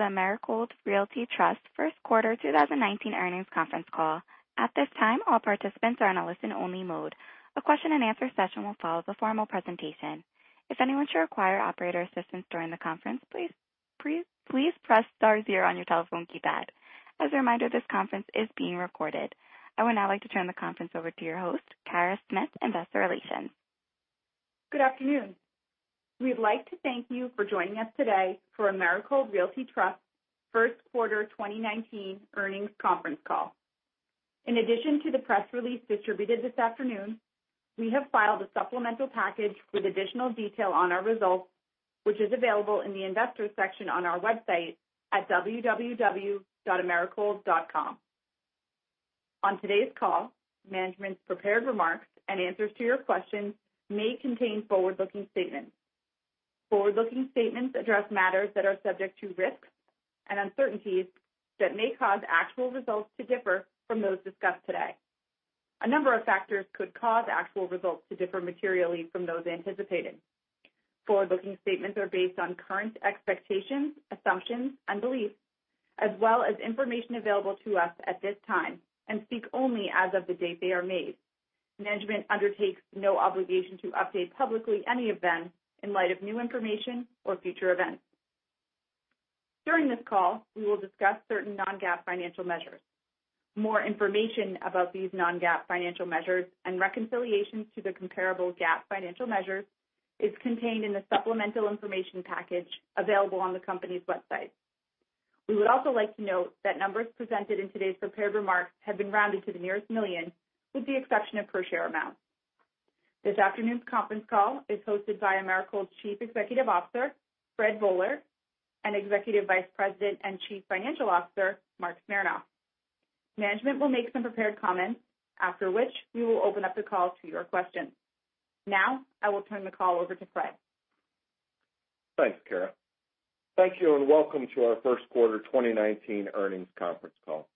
Welcome to the Americold Realty Trust first quarter 2019 earnings conference call. At this time, all participants are in a listen-only mode. A question and answer session will follow the formal presentation. If anyone should require operator assistance during the conference, please press star zero on your telephone keypad. As a reminder, this conference is being recorded. I would now like to turn the conference over to your host, Kara Smith, investor relations. Good afternoon. We'd like to thank you for joining us today for Americold Realty Trust first quarter 2019 earnings conference call. In addition to the press release distributed this afternoon, we have filed a supplemental package with additional detail on our results, which is available in the investors section on our website at www.americold.com. On today's call, management's prepared remarks and answers to your questions may contain forward-looking statements. Forward-looking statements address matters that are subject to risks and uncertainties that may cause actual results to differ from those discussed today. A number of factors could cause actual results to differ materially from those anticipated. Forward-looking statements are based on current expectations, assumptions, and beliefs, as well as information available to us at this time, and speak only as of the date they are made. Management undertakes no obligation to update publicly any of them in light of new information or future events. During this call, we will discuss certain non-GAAP financial measures. More information about these non-GAAP financial measures and reconciliations to the comparable GAAP financial measures is contained in the supplemental information package available on the company's website. We would also like to note that numbers presented in today's prepared remarks have been rounded to the nearest million, with the exception of per share amounts. This afternoon's conference call is hosted by Americold's Chief Executive Officer, Fred Boehler, and Executive Vice President and Chief Financial Officer, Marc Smernoff. Management will make some prepared comments, after which we will open up the call to your questions. Now, I will turn the call over to Fred. Thanks, Kara. Thank you, and welcome to our first quarter 2019 earnings conference call.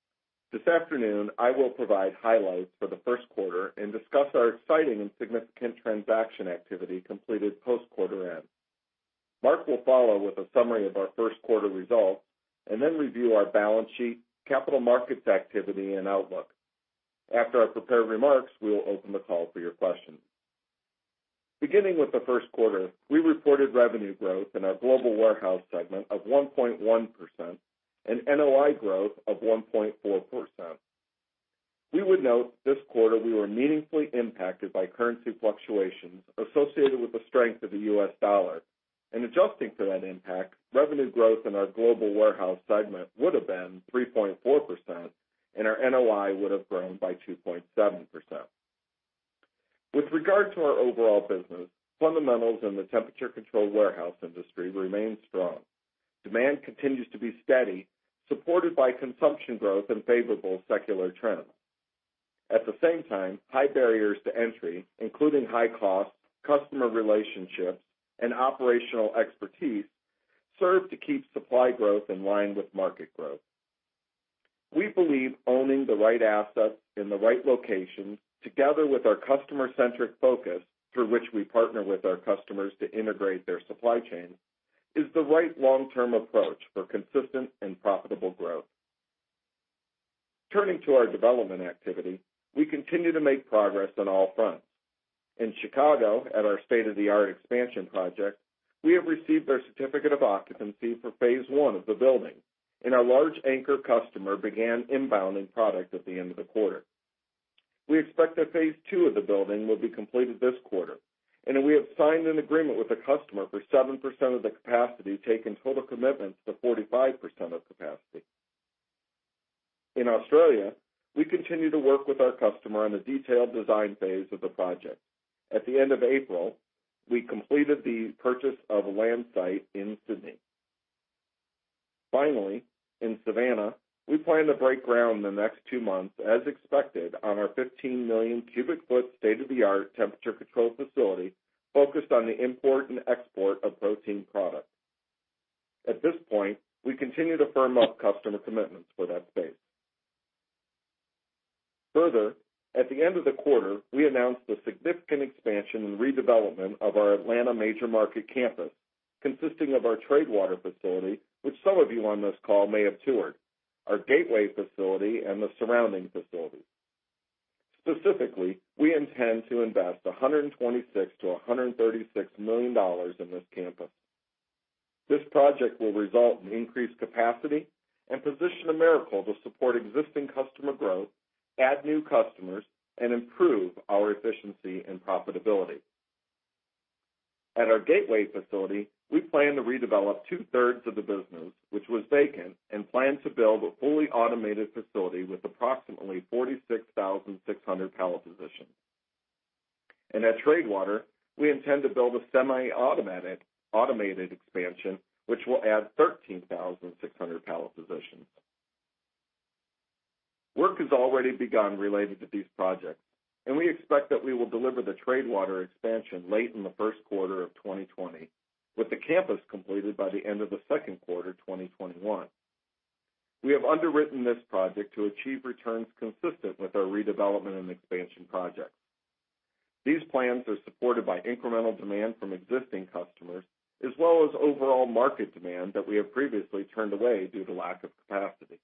This afternoon, I will provide highlights for the first quarter and discuss our exciting and significant transaction activity completed post quarter end. Marc will follow with a summary of our first quarter results and then review our balance sheet, capital markets activity, and outlook. After our prepared remarks, we will open the call for your questions. Beginning with the first quarter, we reported revenue growth in our global warehouse segment of 1.1% and NOI growth of 1.4%. We would note this quarter we were meaningfully impacted by currency fluctuations associated with the strength of the U.S. dollar. In adjusting for that impact, revenue growth in our global warehouse segment would have been 3.4% and our NOI would have grown by 2.7%. With regard to our overall business, fundamentals in the temperature-controlled warehouse industry remain strong. Demand continues to be steady, supported by consumption growth and favorable secular trends. At the same time, high barriers to entry, including high costs, customer relationships, and operational expertise, serve to keep supply growth in line with market growth. We believe owning the right assets in the right locations, together with our customer-centric focus through which we partner with our customers to integrate their supply chain, is the right long-term approach for consistent and profitable growth. Turning to our development activity, we continue to make progress on all fronts. In Chicago, at our state-of-the-art expansion project, we have received our certificate of occupancy for phase 1 of the building, and our large anchor customer began inbounding product at the end of the quarter. We expect that phase 2 of the building will be completed this quarter, and that we have signed an agreement with a customer for 7% of the capacity, taking total commitments to 45% of capacity. In Australia, we continue to work with our customer on the detailed design phase of the project. At the end of April, we completed the purchase of a land site in Sydney. Finally, in Savannah, we plan to break ground in the next two months, as expected, on our 15-million cubic foot state-of-the-art temperature-controlled facility focused on the import and export of protein products. At this point, we continue to firm up customer commitments for that space. Further, at the end of the quarter, we announced a significant expansion and redevelopment of our Atlanta major market campus, consisting of our Tradewater facility, which some of you on this call may have toured, our Gateway facility, and the surrounding facilities. Specifically, we intend to invest $126 million-$136 million in this campus. This project will result in increased capacity and position Americold to support existing customer growth, add new customers, and improve our efficiency and profitability. At our Gateway facility, we plan to redevelop two-thirds of the business, which was vacant, and plan to build a fully automated facility with approximately 46,600 pallet positions. At Tradewater, we intend to build a semi-automated expansion, which will add 13,600 pallet positions. Work has already begun related to these projects, we expect that we will deliver the Tradewater expansion late in the first quarter of 2020, with the campus completed by the end of the second quarter 2021. We have underwritten this project to achieve returns consistent with our redevelopment and expansion projects. These plans are supported by incremental demand from existing customers, as well as overall market demand that we have previously turned away due to lack of capacity.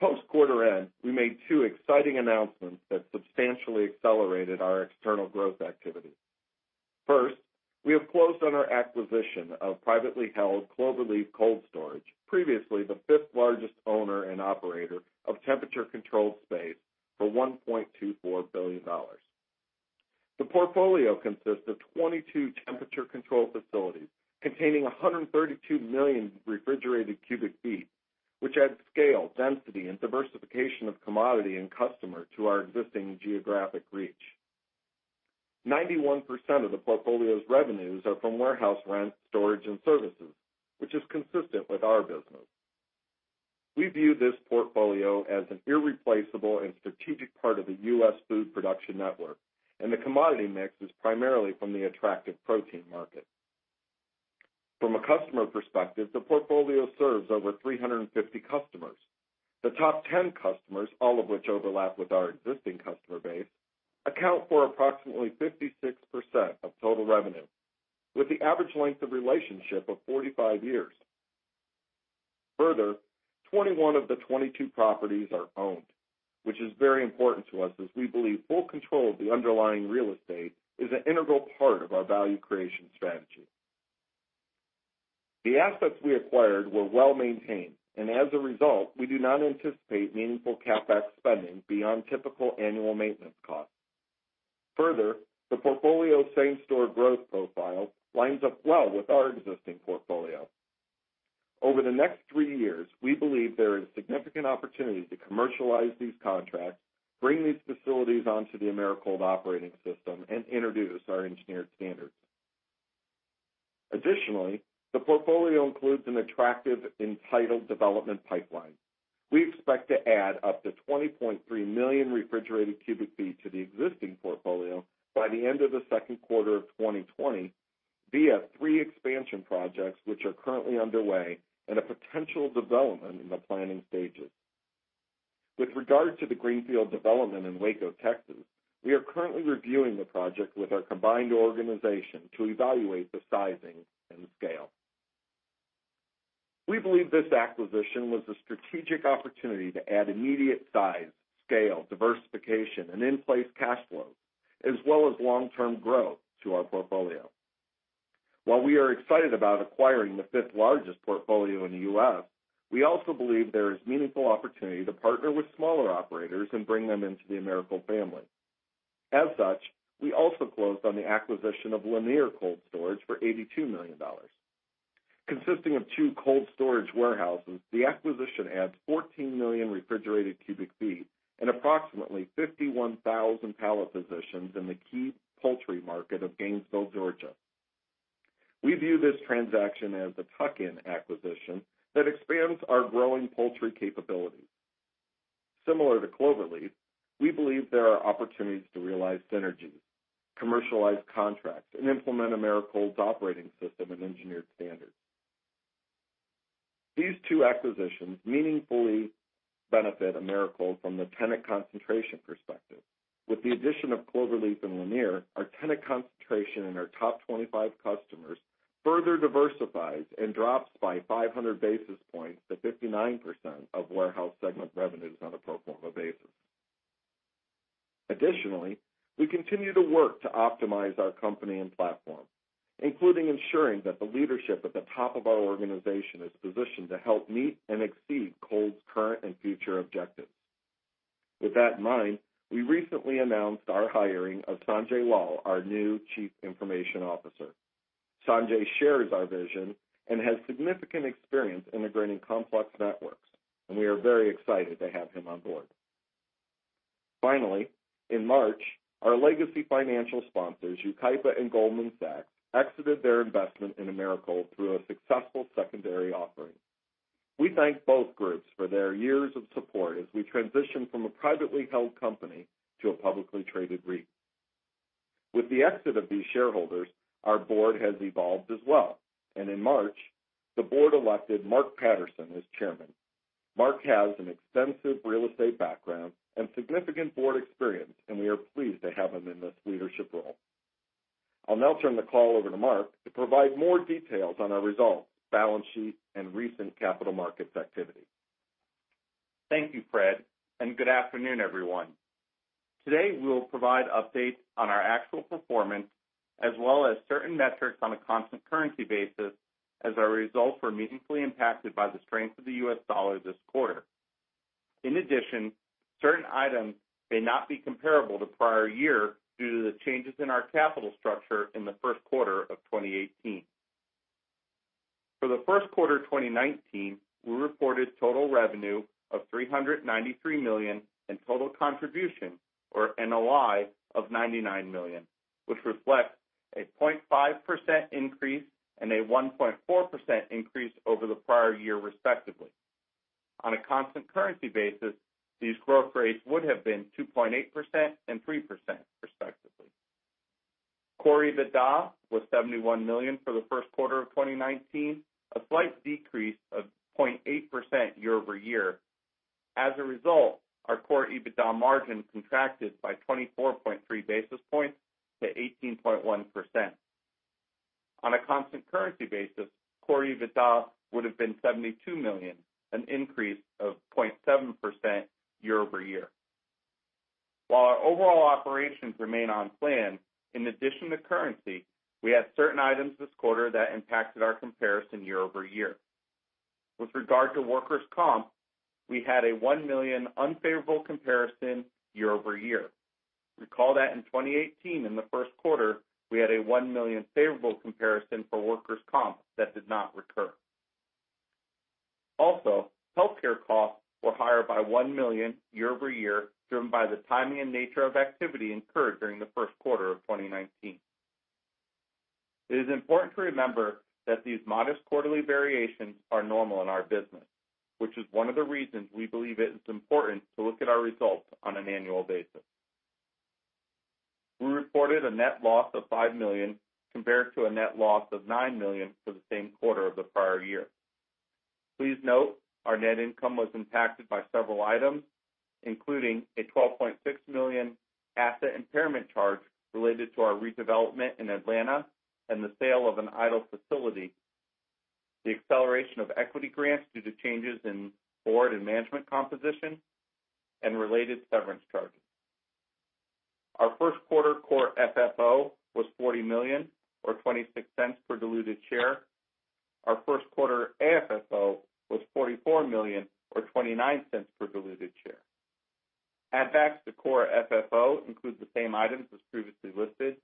Post quarter end, we made two exciting announcements that substantially accelerated our external growth activity. First, we have closed on our acquisition of privately held Cloverleaf Cold Storage, previously the fifth largest owner and operator of temperature-controlled space for $1.24 billion. The portfolio consists of 22 temperature-controlled facilities containing 132 million refrigerated cubic feet, which adds scale, density, and diversification of commodity and customer to our existing geographic reach. 91% of the portfolio's revenues are from warehouse rent, storage, and services, which is consistent with our business. We view this portfolio as an irreplaceable and strategic part of the U.S. food production network, and the commodity mix is primarily from the attractive protein market. From a customer perspective, the portfolio serves over 350 customers. The top 10 customers, all of which overlap with our existing customer base, account for approximately 56% of total revenue, with the average length of relationship of 45 years. Further, 21 of the 22 properties are owned, which is very important to us as we believe full control of the underlying real estate is an integral part of our value creation strategy. The assets we acquired were well-maintained, and as a result, we do not anticipate meaningful CapEx spending beyond typical annual maintenance costs. The portfolio same-store growth profile lines up well with our existing portfolio. Over the next three years, we believe there is significant opportunity to commercialize these contracts, bring these facilities onto the Americold operating system, and introduce our engineered standards. Additionally, the portfolio includes an attractive entitled development pipeline. We expect to add up to 20.3 million refrigerated cubic feet to the existing portfolio by the end of the second quarter of 2020 via three expansion projects, which are currently underway, and a potential development in the planning stages. With regard to the greenfield development in Waco, Texas, we are currently reviewing the project with our combined organization to evaluate the sizing and scale. We believe this acquisition was a strategic opportunity to add immediate size, scale, diversification, and in-place cash flows, as well as long-term growth to our portfolio. While we are excited about acquiring the fifth largest portfolio in the U.S., we also believe there is meaningful opportunity to partner with smaller operators and bring them into the Americold family. As such, we also closed on the acquisition of Lanier Cold Storage for $82 million. Consisting of two cold storage warehouses, the acquisition adds 14 million refrigerated cubic feet and approximately 51,000 pallet positions in the key poultry market of Gainesville, Georgia. We view this transaction as a tuck-in acquisition that expands our growing poultry capability. Similar to Cloverleaf, we believe there are opportunities to realize synergies, commercialize contracts, and implement Americold's operating system and engineered standards. These two acquisitions meaningfully benefit Americold from the tenant concentration perspective. With the addition of Cloverleaf and Lanier, our tenant concentration in our top 25 customers further diversifies and drops by 500 basis points to 59% of warehouse segment revenues on a pro forma basis. Additionally, we continue to work to optimize our company and platform, including ensuring that the leadership at the top of our organization is positioned to help meet and exceed Americold's current and future objectives. With that in mind, we recently announced our hiring of Sanjay Lall, our new Chief Information Officer. Sanjay shares our vision and has significant experience integrating complex networks, and we are very excited to have him on board. Finally, in March, our legacy financial sponsors, Yucaipa and Goldman Sachs, exited their investment in Americold through a successful secondary offering. We thank both groups for their years of support as we transition from a privately held company to a publicly traded REIT. With the exit of these shareholders, our board has evolved as well. In March, the board elected Mark Patterson as Chairman. Mark has an extensive real estate background and significant board experience, and we are pleased to have him in this leadership role. I'll now turn the call over to Mark to provide more details on our results, balance sheet, and recent capital markets activity. Thank you, Fred. Good afternoon, everyone. Today, we will provide updates on our actual performance as well as certain metrics on a constant currency basis as our results were meaningfully impacted by the strength of the U.S. dollar this quarter. In addition, certain items may not be comparable to prior year due to the changes in our capital structure in the first quarter of 2018. For the first quarter 2019, we reported total revenue of $393 million and total contribution or NOI of $99 million, which reflects a 0.5% increase and a 1.4% increase over the prior year respectively. On a constant currency basis, these growth rates would have been 2.8% and 3% respectively. core EBITDA was $71 million for the first quarter of 2019, a slight decrease of 0.8% year-over-year. As a result, our core EBITDA margin contracted by 24.3 basis points to 18.1%. On a constant currency basis, core EBITDA would have been $72 million, an increase of 0.7% year-over-year. While our overall operations remain on plan, in addition to currency, we had certain items this quarter that impacted our comparison year-over-year. With regard to workers' comp, we had a $1 million unfavorable comparison year-over-year. Recall that in 2018, in the first quarter, we had a $1 million favorable comparison for workers' comp that did not recur. Also, healthcare costs were higher by $1 million year-over-year, driven by the timing and nature of activity incurred during the first quarter of 2019. It is important to remember that these modest quarterly variations are normal in our business, which is one of the reasons we believe it is important to look at our results on an annual basis. We reported a net loss of $5 million compared to a net loss of $9 million for the same quarter of the prior year. Please note, our net income was impacted by several items, including a $12.6 million asset impairment charge related to our redevelopment in Atlanta and the sale of an idle facility, the acceleration of equity grants due to changes in board and management composition, and related severance charges. Our first quarter core FFO was $40 million, or $0.26 per diluted share. Our first quarter AFFO was $44 million, or $0.29 per diluted share. At fact, the core FFO includes the same items as previously listed.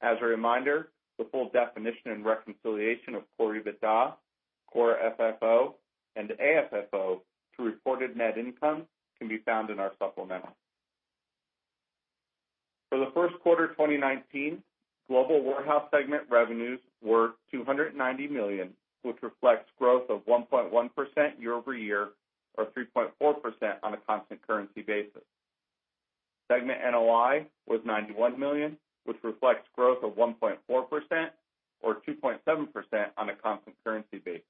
As a reminder, the full definition and reconciliation of core EBITDA, core FFO, and AFFO to reported net income can be found in our supplemental. For the first quarter 2019, global warehouse segment revenues were $290 million, which reflects growth of 1.1% year-over-year, or 3.4% on a constant currency basis. Segment NOI was $91 million, which reflects growth of 1.4%, or 2.7% on a constant currency basis.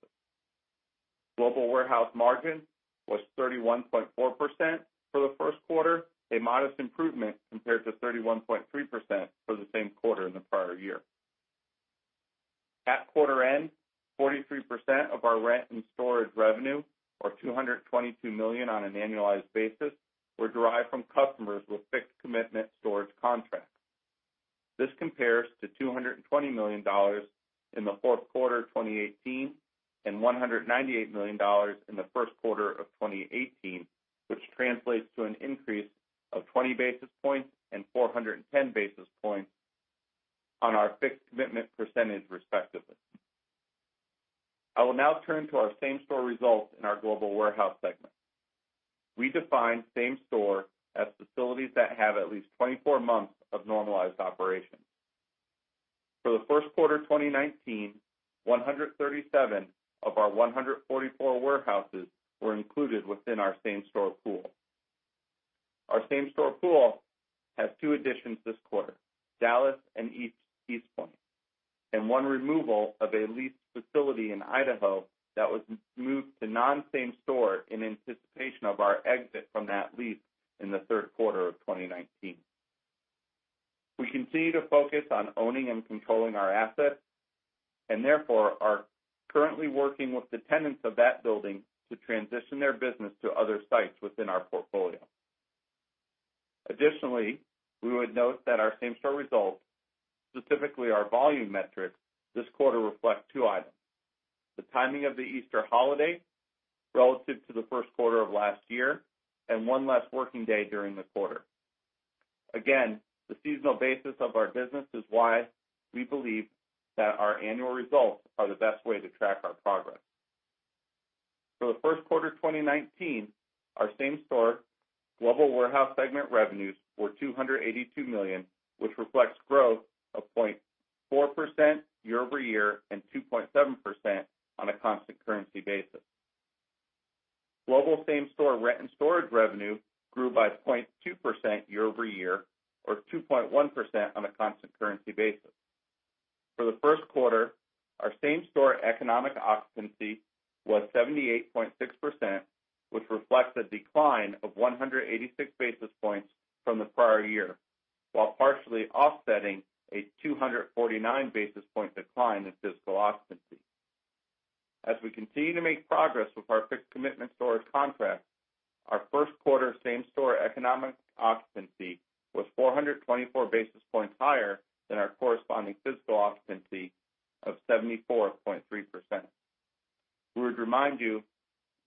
Global warehouse margin was 31.4% for the first quarter, a modest improvement compared to 31.3% for the same quarter in the prior year. At quarter end, 43% of our rent and storage revenue, or $222 million on an annualized basis, were derived from customers with fixed commitment storage contracts. This compares to $220 million in the fourth quarter 2018 and $198 million in the first quarter of 2018, which translates to an increase of 20 basis points and 410 basis points on our fixed commitment percentage, respectively. I will now turn to our same-store results in our global warehouse segment. We define same-store as facilities that have at least 24 months of normalized operations. For the first quarter 2019, 137 of our 144 warehouses were included within our same-store pool. Our same-store pool has two additions this quarter, Dallas and East Point, and one removal of a leased facility in Idaho that was moved to non-same-store in anticipation of our exit from that lease in the third quarter of 2019. We continue to focus on owning and controlling our assets, and therefore are currently working with the tenants of that building to transition their business to other sites within our portfolio. Additionally, we would note that our same-store results, specifically our volume metrics, this quarter reflect two items. The timing of the Easter holiday relative to the first quarter of last year, and one less working day during the quarter. The seasonal basis of our business is why we believe that our annual results are the best way to track our progress. For the first quarter 2019, our same-store global warehouse segment revenues were $282 million, which reflects growth of 0.4% year-over-year and 2.7% on a constant currency basis. Global same-store rent and storage revenue grew by 0.2% year-over-year or 2.1% on a constant currency basis. For the first quarter, our same-store economic occupancy was 78.6%, which reflects a decline of 186 basis points from the prior year, while partially offsetting a 249 basis point decline in physical occupancy. As we continue to make progress with our fixed commitment storage contract, our first quarter same-store economic occupancy was 424 basis points higher than our corresponding physical occupancy of 74.3%. We would remind you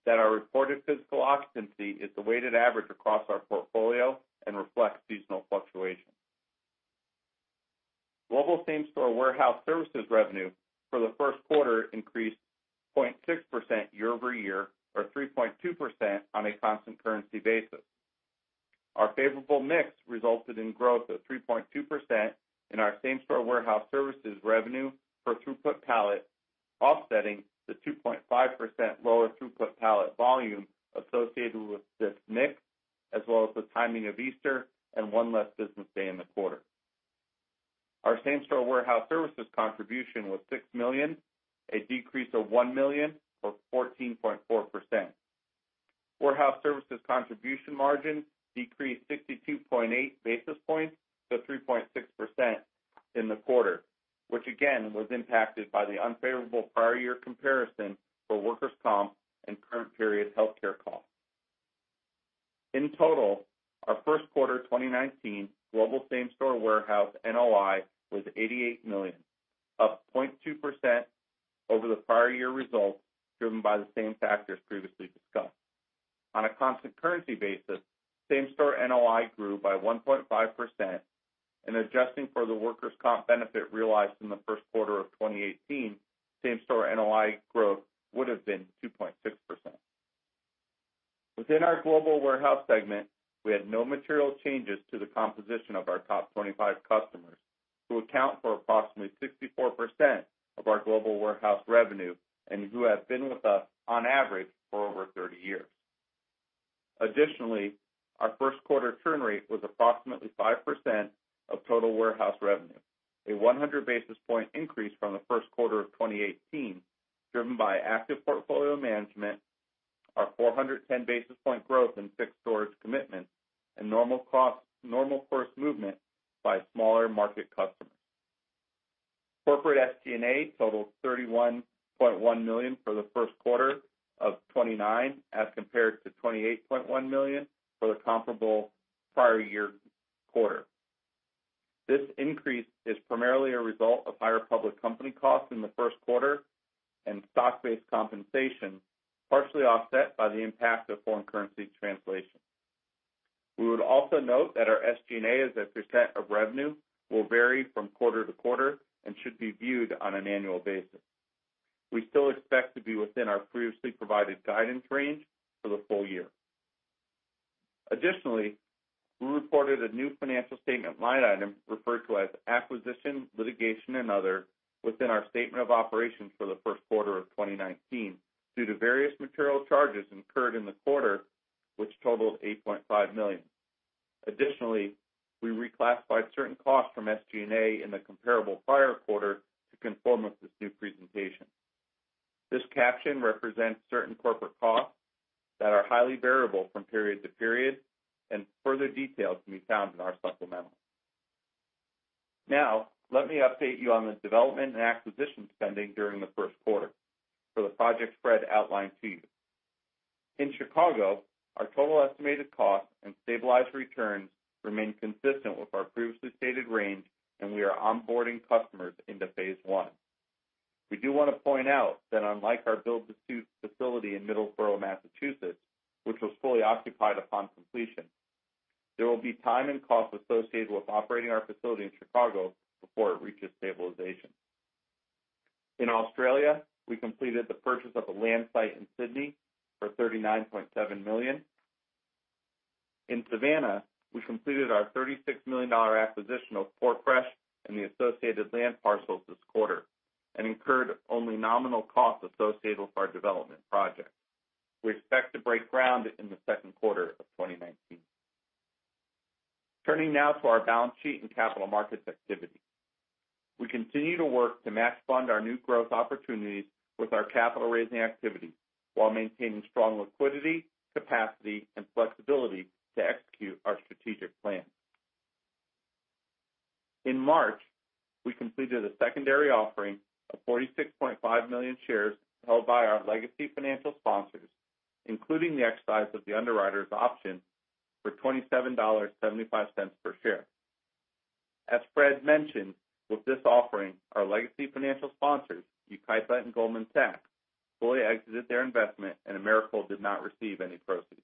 that our reported physical occupancy is the weighted average across our portfolio and reflects seasonal fluctuation. Global same-store warehouse services revenue for the first quarter increased 0.6% year-over-year or 3.2% on a constant currency basis. Our favorable mix resulted in growth of 3.2% in our same-store warehouse services revenue per throughput pallet, offsetting the 2.5% lower throughput pallet volume associated with this mix, as well as the timing of Easter and one less business day in the quarter. Our same-store warehouse services contribution was $6 million, a decrease of $1 million or 14.4%. Warehouse services contribution margin decreased 62.8 basis points to 3.6% in the quarter, which again was impacted by the unfavorable prior year comparison for workers' comp and current period healthcare costs. In total, our first quarter 2019 global same-store warehouse NOI was $88 million, up 0.2% over the prior year results driven by the same factors previously discussed. On a constant currency basis, let me update you on the development and acquisition spending during the first quarter for the project spread outlined to you. In Chicago, our total estimated cost and stabilized returns remain consistent with our previously stated range, and we are onboarding customers into phase one. We do want to point out that unlike our build-to-suit facility in Middleborough, Massachusetts, which was fully occupied upon completion, there will be time and cost associated with operating our facility in Chicago before it reaches stabilization. In Australia, we completed the purchase of a land site in Sydney for $39.7 million. In Savannah, we completed our $36 million acquisition of PortFresh and the associated land parcels this quarter and incurred only nominal costs associated with our development project. We expect to break ground in the second quarter of 2019. Turning now to our balance sheet and capital markets activity. We continue to work to match fund our new growth opportunities with our capital-raising activity while maintaining strong liquidity, capacity, and flexibility to execute our strategic plan. In March, we completed a secondary offering of 46.5 million shares held by our legacy financial sponsors, including the exercise of the underwriter's option for $27.75 per share. As Fred mentioned, with this offering, our legacy financial sponsors, The Yucaipa Companies and Goldman Sachs, fully exited their investment and Americold did not receive any proceeds.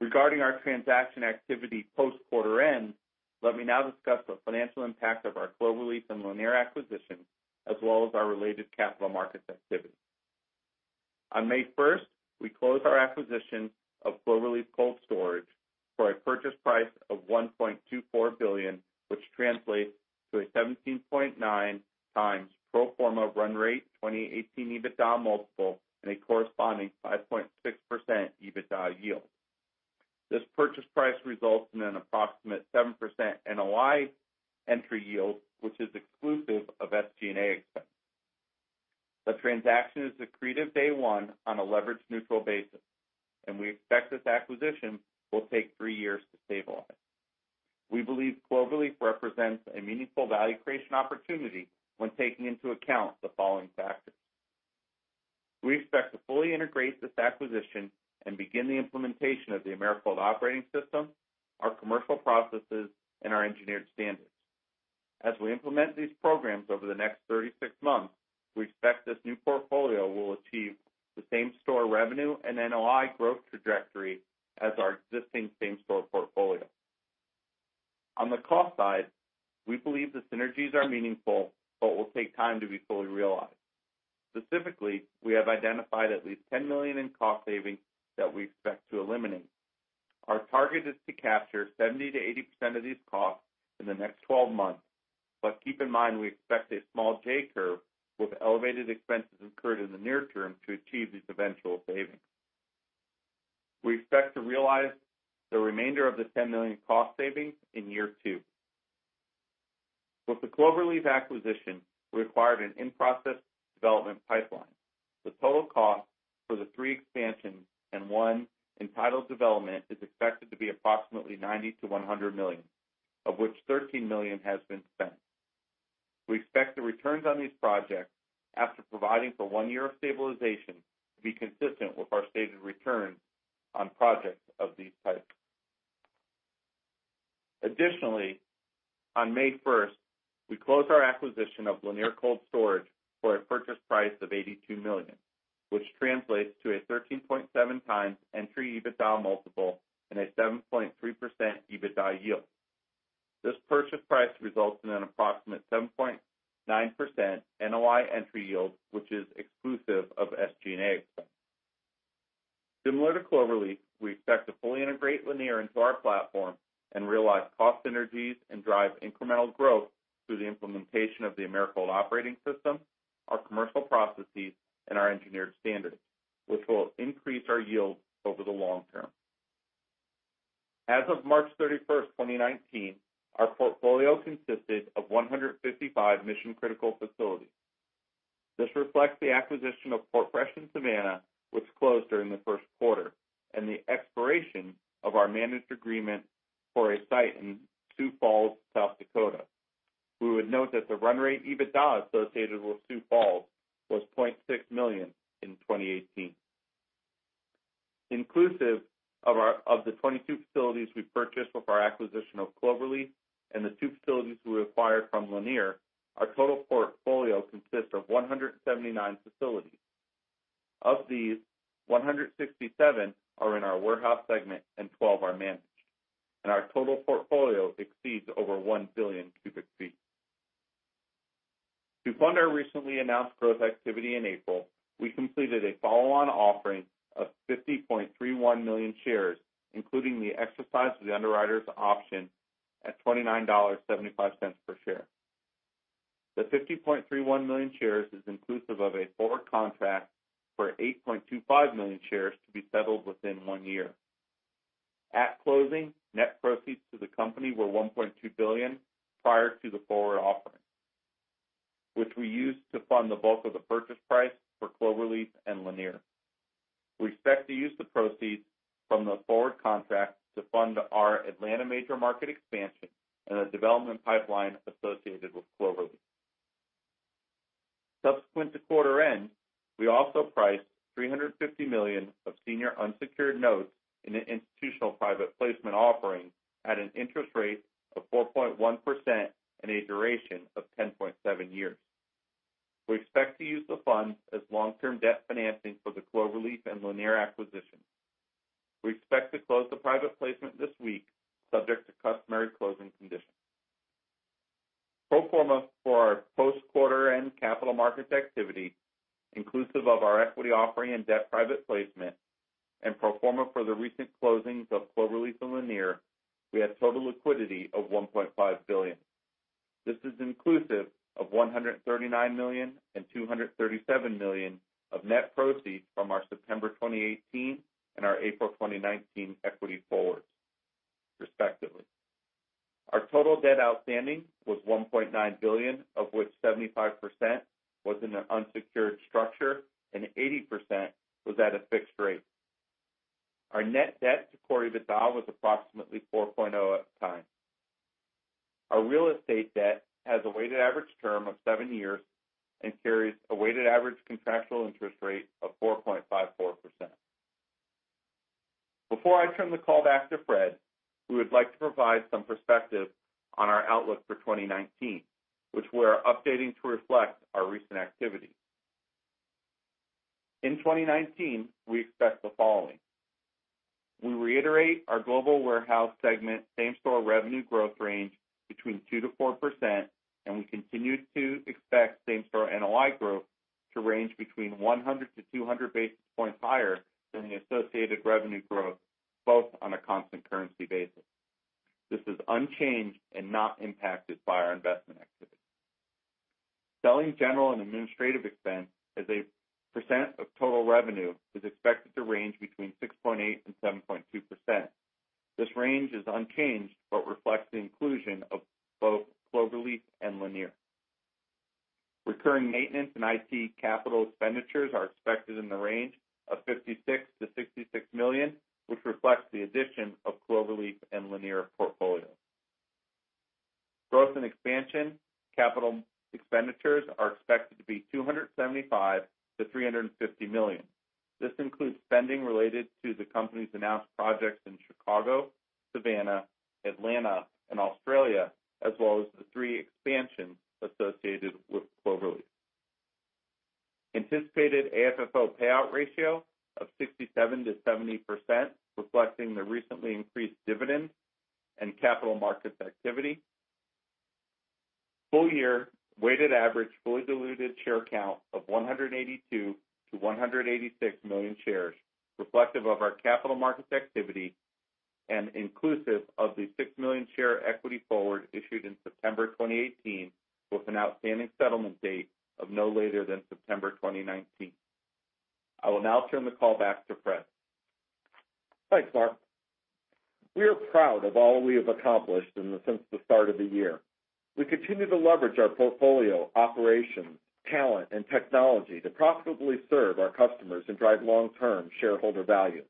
Regarding our transaction activity post quarter end, let me now discuss the financial impact of our Cloverleaf and Lanier acquisitions, as well as our related capital markets activity. On May 1st, we closed our acquisition of Cloverleaf Cold Storage for a purchase price of $1.24 billion, which translates to a 17.9x pro forma run rate 2018 EBITDA multiple and a corresponding 5.6% EBITDA yield. This purchase price results in an approximate 7% NOI entry yield, which is exclusive of SG&A expense. The transaction is accretive day one on a leverage neutral basis, and we expect this acquisition will take three years to stabilize. We believe Cloverleaf represents a meaningful value creation opportunity when taking into account the following factors. We expect to fully integrate this acquisition and begin the implementation of the Americold operating system, our commercial processes, and our engineered standards. As we implement these programs over the next 36 months, we expect this new portfolio will achieve the same-store revenue and NOI growth trajectory as our existing same-store portfolio. On the cost side, we believe the synergies are meaningful but will take time to be fully realized. Specifically, we have identified at least $10 million in cost savings that we expect to eliminate. Our target is to capture 70%-80% of these costs in the next 12 months. Keep in mind, we expect a small J-curve with elevated expenses incurred in the near term to achieve these eventual savings. We expect to realize the remainder of the $10 million cost savings in year two. With the Cloverleaf acquisition, we acquired an in-process development pipeline. The total cost for the three expansions and one entitled development is expected to be approximately $90 million-$100 million, of which $13 million has been spent. We expect the returns on these projects, after providing for one year of stabilization, to be consistent with our stated returns on projects of this type. Additionally, on May 1st, we closed our acquisition of Lanier Cold Storage for a purchase price of $82 million, which translates to a 13.7x entry EBITDA multiple and a 7.3% EBITDA yield. This purchase price results in an approximate 7.9% NOI entry yield, which is exclusive of SG&A expense. Similar to Cloverleaf, we expect to fully integrate Lanier into our platform and realize cost synergies and drive incremental growth through the implementation of the Americold operating system, our commercial processes, and our engineered standards, which will increase our yields over the long term. As of March 31st, 2019, our portfolio consisted of 155 mission-critical facilities. This reflects the acquisition of PortFresh Holdings in Savannah, which closed during the first quarter, and the expiration of our managed agreement for a site in Sioux Falls, South Dakota. We would note that the run rate EBITDA associated with Sioux Falls was $0.6 million in 2018. Inclusive of the 22 facilities we purchased with our acquisition of Cloverleaf and the two facilities we acquired from Lanier, our total portfolio consists of 179 facilities. Of these, 167 are in our warehouse segment and 12 are managed. Our total portfolio exceeds over one billion cubic feet. To fund our recently announced growth activity in April, we completed a follow-on offering of 50.31 million shares, including the exercise of the underwriter's option at $29.75 per share. The 50.31 million shares is inclusive of a forward contract for 8.25 million shares to be settled within one year. At closing, net proceeds to the company were $1.2 billion, prior to the forward offering, which we used to fund the bulk of the purchase price for Cloverleaf and Lanier. We expect to use the proceeds from the forward contract to fund our Atlanta major market expansion and the development pipeline associated with Cloverleaf. Subsequent to quarter end, we also priced $350 million of senior unsecured notes in an institutional private placement offering at an interest rate of 4.1% and a duration of 10.7 years. We expect to use the funds as long-term debt financing for the Cloverleaf and Lanier acquisitions. We expect to close the private placement this week, subject to customary closing conditions. Pro forma for our post-quarter-end capital markets activity, inclusive of our equity offering and debt private placement, and pro forma for the recent closings of Cloverleaf and Lanier, we had total liquidity of $1.5 billion. This is inclusive of $139 million and $237 million of net proceeds from our September 2018 and our April 2019 equity forwards, respectively. Our total debt outstanding was $1.9 billion, of which 75% was in an unsecured structure and 80% was at a fixed rate. Our net debt to core EBITDA was approximately 4.0 at the time. Our real estate debt has a weighted average term of seven years and carries a weighted average contractual interest rate of 4.54%. Before I turn the call back to Fred, we would like to provide some perspective on our outlook for 2019, which we are updating to reflect our recent activity. In 2019, we expect the following. We reiterate our global warehouse segment same-store revenue growth range between 2%-4%, and we continue to expect same-store NOI growth to range between 100 to 200 basis points higher than the associated revenue growth, both on a constant currency basis. This is unchanged and not impacted by our investment activity. Selling general and administrative expense as a percent of total revenue is expected to range between 6.8% and 7.2%. This range is unchanged but reflects the inclusion of both Cloverleaf and Lanier. Recurring maintenance and IT capital expenditures are expected in the range of $56 million-$66 million, which reflects the addition of Cloverleaf and Lanier portfolios. Growth and expansion capital expenditures are expected to be $275 million-$350 million. This includes spending related to the company's announced projects in Chicago, Savannah, Atlanta, and Australia, as well as the three expansions associated with Cloverleaf. Anticipated AFFO payout ratio of 67%-70%, reflecting the recently increased dividend and capital markets activity. Full year weighted average fully diluted share count of 182 million-186 million shares, reflective of our capital markets activity and inclusive of the six million share equity forward issued in September 2018, with an outstanding settlement date of no later than September 2019. I will now turn the call back to Fred. Thanks, Mark. We are proud of all we have accomplished since the start of the year. We continue to leverage our portfolio, operations, talent, and technology to profitably serve our customers and drive long-term shareholder value.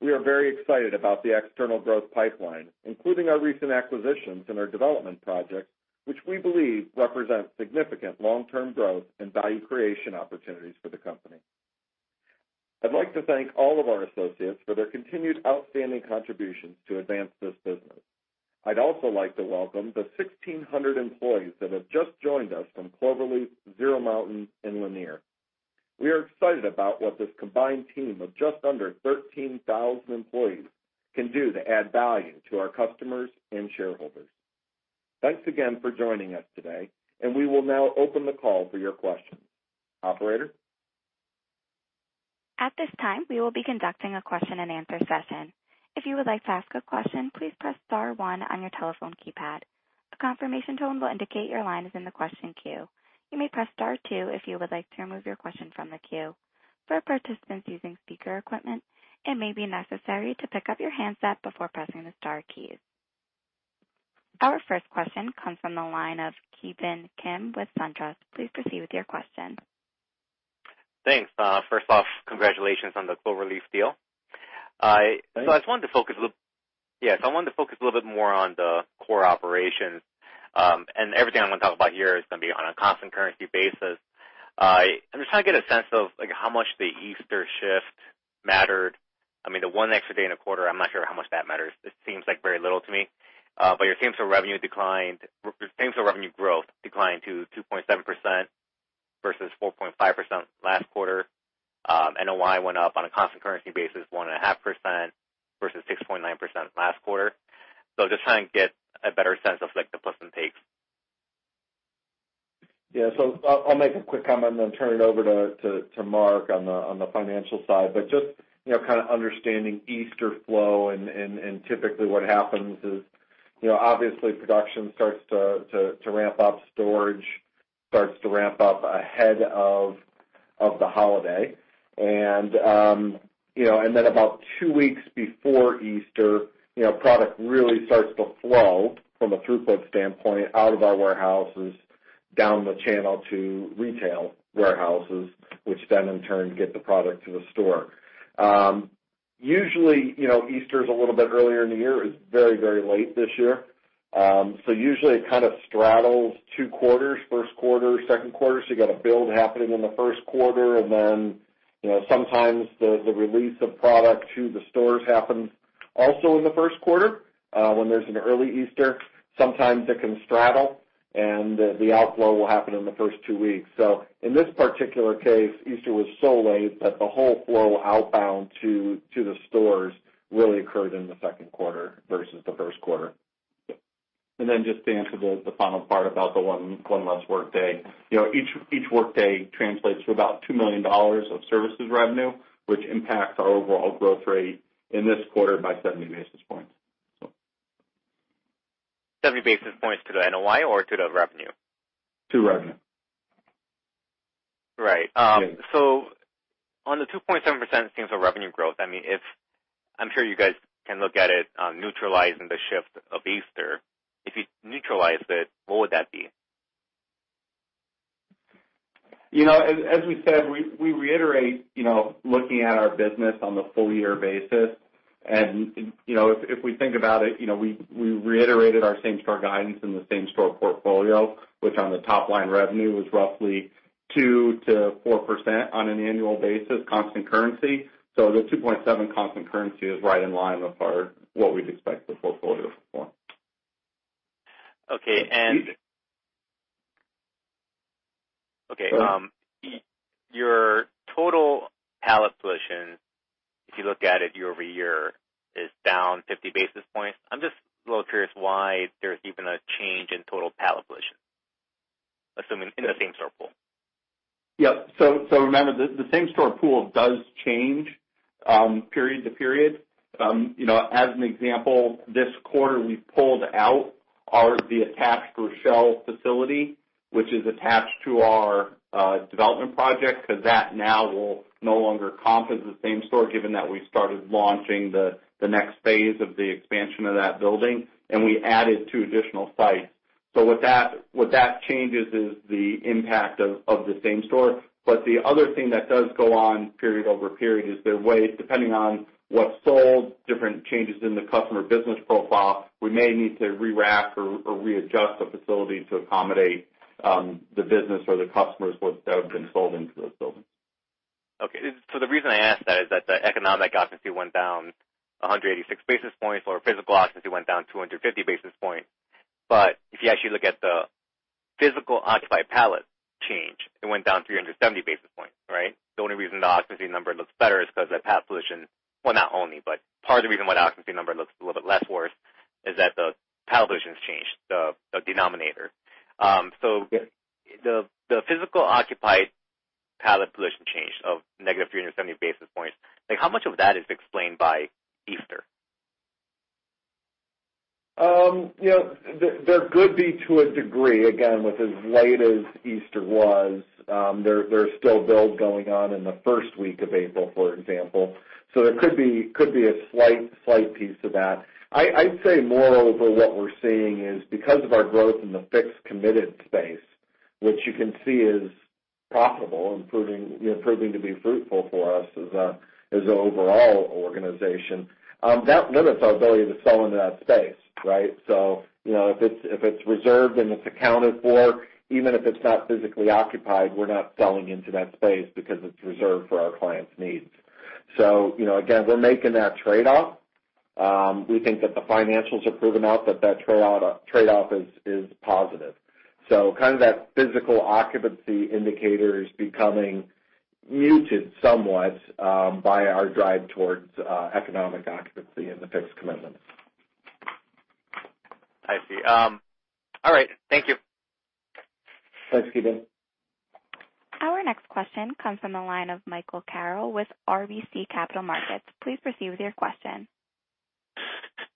We are very excited about the external growth pipeline, including our recent acquisitions and our development projects, which we believe represent significant long-term growth and value creation opportunities for the company. I'd like to thank all of our associates for their continued outstanding contributions to advance this business. I'd also like to welcome the 1,600 employees that have just joined us from Cloverleaf, Zero Mountain, and Lanier. We are excited about what this combined team of just under 13,000 employees can do to add value to our customers and shareholders. Thanks again for joining us today, and we will now open the call for your questions. Operator? At this time, we will be conducting a question and answer session. If you would like to ask a question, please press star one on your telephone keypad. A confirmation tone will indicate your line is in the question queue. You may press star two if you would like to remove your question from the queue. For participants using speaker equipment, it may be necessary to pick up your handset before pressing the star keys. Our first question comes from the line of Ki Bin Kim with SunTrust. Please proceed with your question. Thanks. First off, congratulations on the Cloverleaf deal. Thanks. I just wanted to focus a little bit more on the core operations. Everything I'm going to talk about here is going to be on a constant currency basis. I'm just trying to get a sense of how much the Easter shift mattered. I mean, the one extra day in a quarter, I'm not sure how much that matters. It seems like very little to me. Your same-store revenue growth declined to 2.7% versus 4.5% last quarter. NOI went up on a constant currency basis, 1.5% versus 6.9% last quarter. Just trying to get a better sense of the plus and takes. Yeah. I'll make a quick comment and then turn it over to Mark on the financial side. Just kind of understanding Easter flow and typically what happens is, obviously production starts to ramp up, storage starts to ramp up ahead of the holiday. Then about two weeks before Easter, product really starts to flow from a throughput standpoint out of our warehouses, down the channel to retail warehouses, which then in turn get the product to the store. Usually, Easter's a little bit earlier in the year. It's very, very late this year. Usually it kind of straddles two quarters, first quarter, second quarter, you got a build happening in the first quarter, and then sometimes the release of product to the stores happens also in the first quarter. When there's an early Easter, sometimes it can straddle, and the outflow will happen in the first two weeks. In this particular case, Easter was so late that the whole flow outbound to the stores really occurred in the second quarter versus the first quarter. Just to answer the final part about the one less workday. Each workday translates to about $2 million of services revenue, which impacts our overall growth rate in this quarter by 70 basis points. 70 basis points to the NOI or to the revenue? To revenue. Right. Yeah. On the 2.7% same-store revenue growth, I'm sure you guys can look at it neutralizing the shift of Easter. If you neutralize it, what would that be? As we said, we reiterate looking at our business on the full year basis. If we think about it, we reiterated our same-store guidance in the same-store portfolio, which on the top line revenue was roughly 2%-4% on an annual basis, constant currency. The 2.7% constant currency is right in line with what we'd expect the portfolio for. Okay. Your total pallet positions, if you look at it year-over-year, is down 50 basis points. I'm just a little curious why there's even a change in total pallet positions, assuming in the same-store pool. Yeah. Remember, the same-store pool does change period-to-period. As an example, this quarter, we pulled out the attached Rochelle facility, which is attached to our development project, because that now will no longer comp as a same-store, given that we started launching the next phase of the expansion of that building, and we added two additional sites. What that changes is the impact of the same-store. The other thing that does go on period-over-period is there are ways, depending on what's sold, different changes in the customer business profile, we may need to re-rack or readjust the facility to accommodate the business or the customers that have been sold into those buildings. The reason I ask that is that the economic occupancy went down 186 basis points or physical occupancy went down 250 basis points. If you actually look at the physical occupied pallet change, it went down 370 basis points, right? The only reason the occupancy number looks better is because, well, not only, but part of the reason why the occupancy number looks a little bit less worse is that the pallet position's changed, the denominator. Yeah The physical occupied pallet position change of negative 370 basis points. How much of that is explained by Easter? There could be to a degree. Again, with as late as Easter was, there's still build going on in the first week of April, for example. There could be a slight piece of that. I'd say moreover, what we're seeing is because of our growth in the fixed committed space, which you can see is profitable and proving to be fruitful for us as an overall organization. That limits our ability to sell into that space, right? If it's reserved and it's accounted for, even if it's not physically occupied, we're not selling into that space because it's reserved for our clients' needs. Again, we're making that trade-off. We think that the financials have proven out that trade-off is positive. Kind of that physical occupancy indicator is becoming muted somewhat, by our drive towards economic occupancy in the fixed commitments. I see. All right. Thank you. Thanks, Ki Bin. Our next question comes from the line of Michael Carroll with RBC Capital Markets. Please proceed with your question.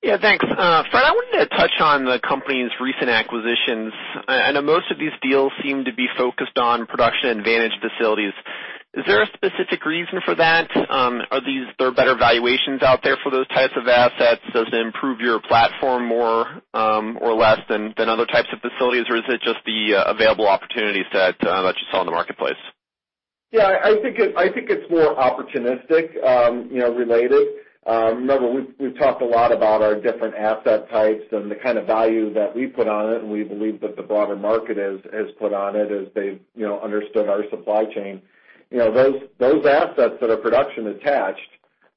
Yeah, thanks. Fred, I wanted to touch on the company's recent acquisitions. I know most of these deals seem to be focused on production advantage facilities. Is there a specific reason for that? Are there better valuations out there for those types of assets? Does it improve your platform more, or less than other types of facilities? Or is it just the available opportunities that you saw in the marketplace? Yeah, I think it's more opportunistic related. Remember, we've talked a lot about our different asset types and the kind of value that we put on it, and we believe that the broader market has put on it as they've understood our supply chain. Those assets that are production attached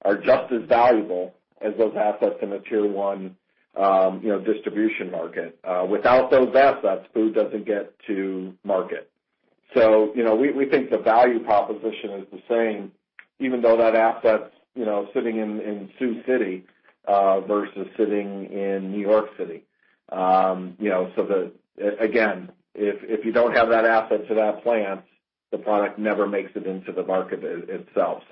are just as valuable as those assets in a tier 1 distribution market. Without those assets, food doesn't get to market. We think the value proposition is the same, even though that asset's sitting in Sioux City versus sitting in New York City. Again, if you don't have that asset to that plant, the product never makes it into the market itself.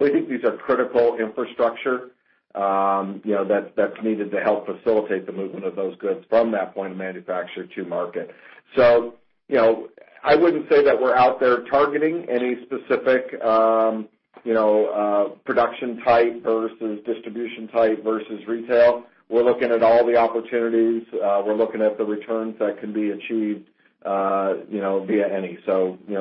We think these are critical infrastructure that's needed to help facilitate the movement of those goods from that point of manufacture to market. I wouldn't say that we're out there targeting any specific production type versus distribution type versus retail. We're looking at all the opportunities. We're looking at the returns that can be achieved via any.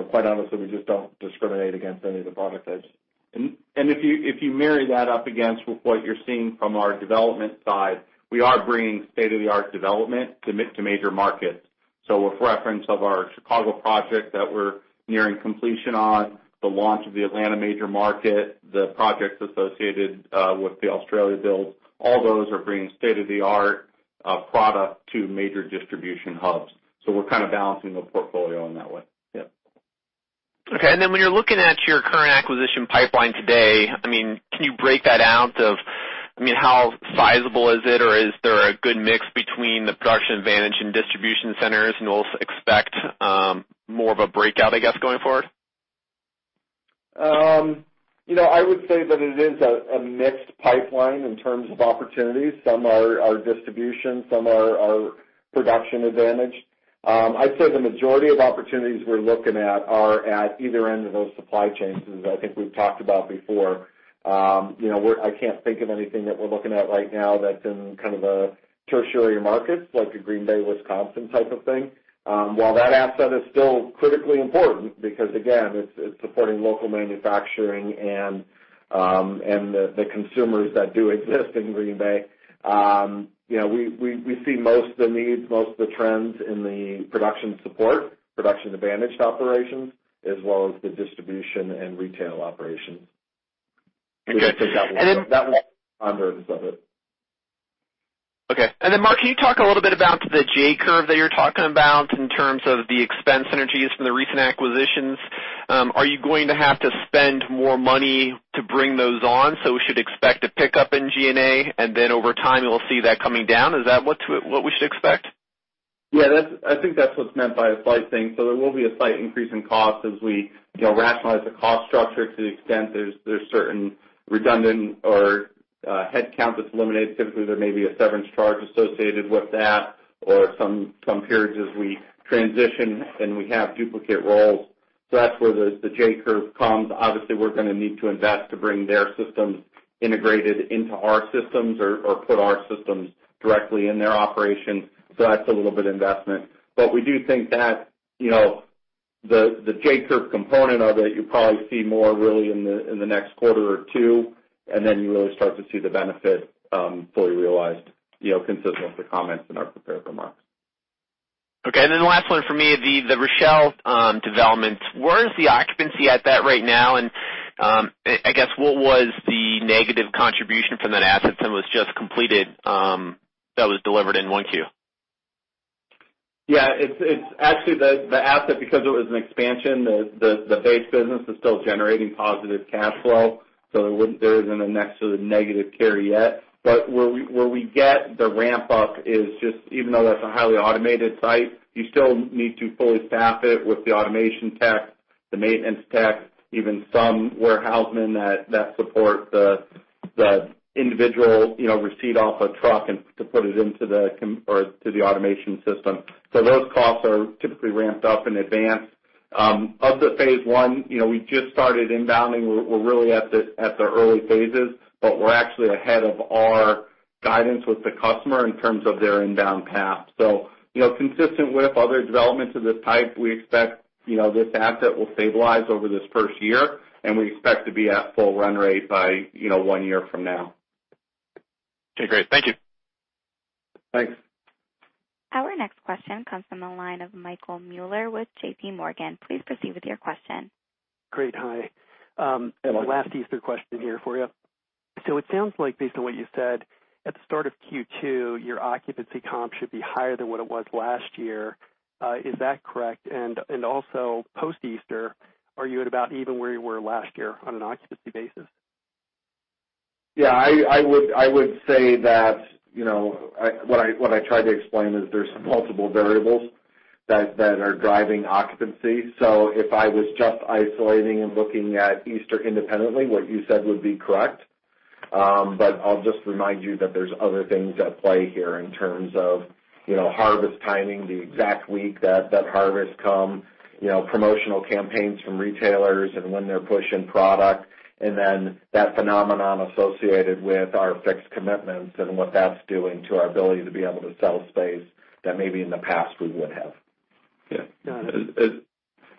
Quite honestly, we just don't discriminate against any of the product types. If you marry that up against what you're seeing from our development side, we are bringing state-of-the-art development to major markets. With reference of our Chicago project that we're nearing completion on, the launch of the Atlanta major market, the projects associated with the Australia build, all those are bringing state-of-the-art product to major distribution hubs. We're kind of balancing the portfolio in that way. Yeah. Okay, when you're looking at your current acquisition pipeline today, can you break that out of how sizable is it, or is there a good mix between the production advantaged and distribution centers, and we'll expect more of a breakout, I guess, going forward? I would say that it is a mixed pipeline in terms of opportunities. Some are distribution, some are production advantaged. I'd say the majority of opportunities we're looking at are at either end of those supply chains, as I think we've talked about before. I can't think of anything that we're looking at right now that's in kind of a tertiary market, like a Green Bay, Wisconsin type of thing. While that asset is still critically important because, again, it's supporting local manufacturing and the consumers that do exist in Green Bay. We see most of the needs, most of the trends in the production support, production advantaged operations, as well as the distribution and retail operations. Okay. I would say that one on the other side of it. Okay. Marc, can you talk a little bit about the J curve that you're talking about in terms of the expense synergies from the recent acquisitions? Are you going to have to spend more money to bring those on, so we should expect a pickup in G&A, and then over time, we'll see that coming down? Is that what we should expect? Yeah, I think that's what's meant by a slight thing. There will be a slight increase in cost as we rationalize the cost structure to the extent there's certain redundant or headcount that's eliminated. Typically, there may be a severance charge associated with that or some periods as we transition, and we have duplicate roles. That's where the J curve comes. Obviously, we're going to need to invest to bring their systems integrated into our systems or put our systems directly in their operation. That's a little bit investment. We do think that the J curve component of it, you'll probably see more really in the next quarter or two, and then you really start to see the benefit fully realized, consistent with the comments in our prepared remarks. Okay. The last one for me, the Rochelle development. Where is the occupancy at that right now? And, I guess what was the negative contribution from that asset that was just completed that was delivered in 1Q? Yeah. Actually, the asset, because it was an expansion, the base business is still generating positive cash flow, there isn't a necessarily negative carry yet. Where we get the ramp up is just even though that's a highly automated site, you still need to fully staff it with the automation tech, the maintenance tech, even some warehousemen that support the individual receipt off a truck and to put it into the automation system. Those costs are typically ramped up in advance. Of phase 1, we just started inbounding. We're really at the early phases, we're actually ahead of our guidance with the customer in terms of their inbound path. Consistent with other developments of this type, we expect this asset will stabilize over this first year, and we expect to be at full run rate by one year from now. Okay, great. Thank you. Thanks. Our next question comes from the line of Michael Mueller with J.P. Morgan. Please proceed with your question. Great. Hi. Hello. Last Easter question here for you. It sounds like based on what you said at the start of Q2, your occupancy comp should be higher than what it was last year. Is that correct? Also post-Easter, are you at about even where you were last year on an occupancy basis? Yeah, I would say that what I tried to explain is there's multiple variables that are driving occupancy. If I was just isolating and looking at Easter independently, what you said would be correct. I'll just remind you that there's other things at play here in terms of harvest timing, the exact week that harvest come, promotional campaigns from retailers and when they're pushing product, and then that phenomenon associated with our fixed commitments and what that's doing to our ability to be able to sell space that maybe in the past we would have. Yeah. Got it.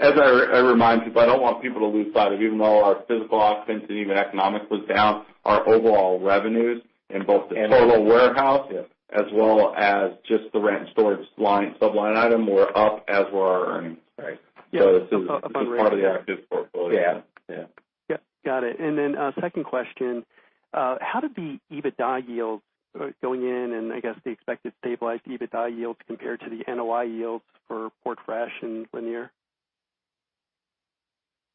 As I remind people, I don't want people to lose sight of, even though our physical occupancy and even economics was down, our overall revenues in both the total warehouse- Yes as well as just the rent and storage line, sub-line item were up, as were our earnings. Right. Yeah. This is part of the active portfolio. Yeah. Yeah. Yep, got it. Second question. How did the EBITDA yields going in, and I guess the expected stabilized EBITDA yields compare to the NOI yields for PortFresh Holdings and Lanier?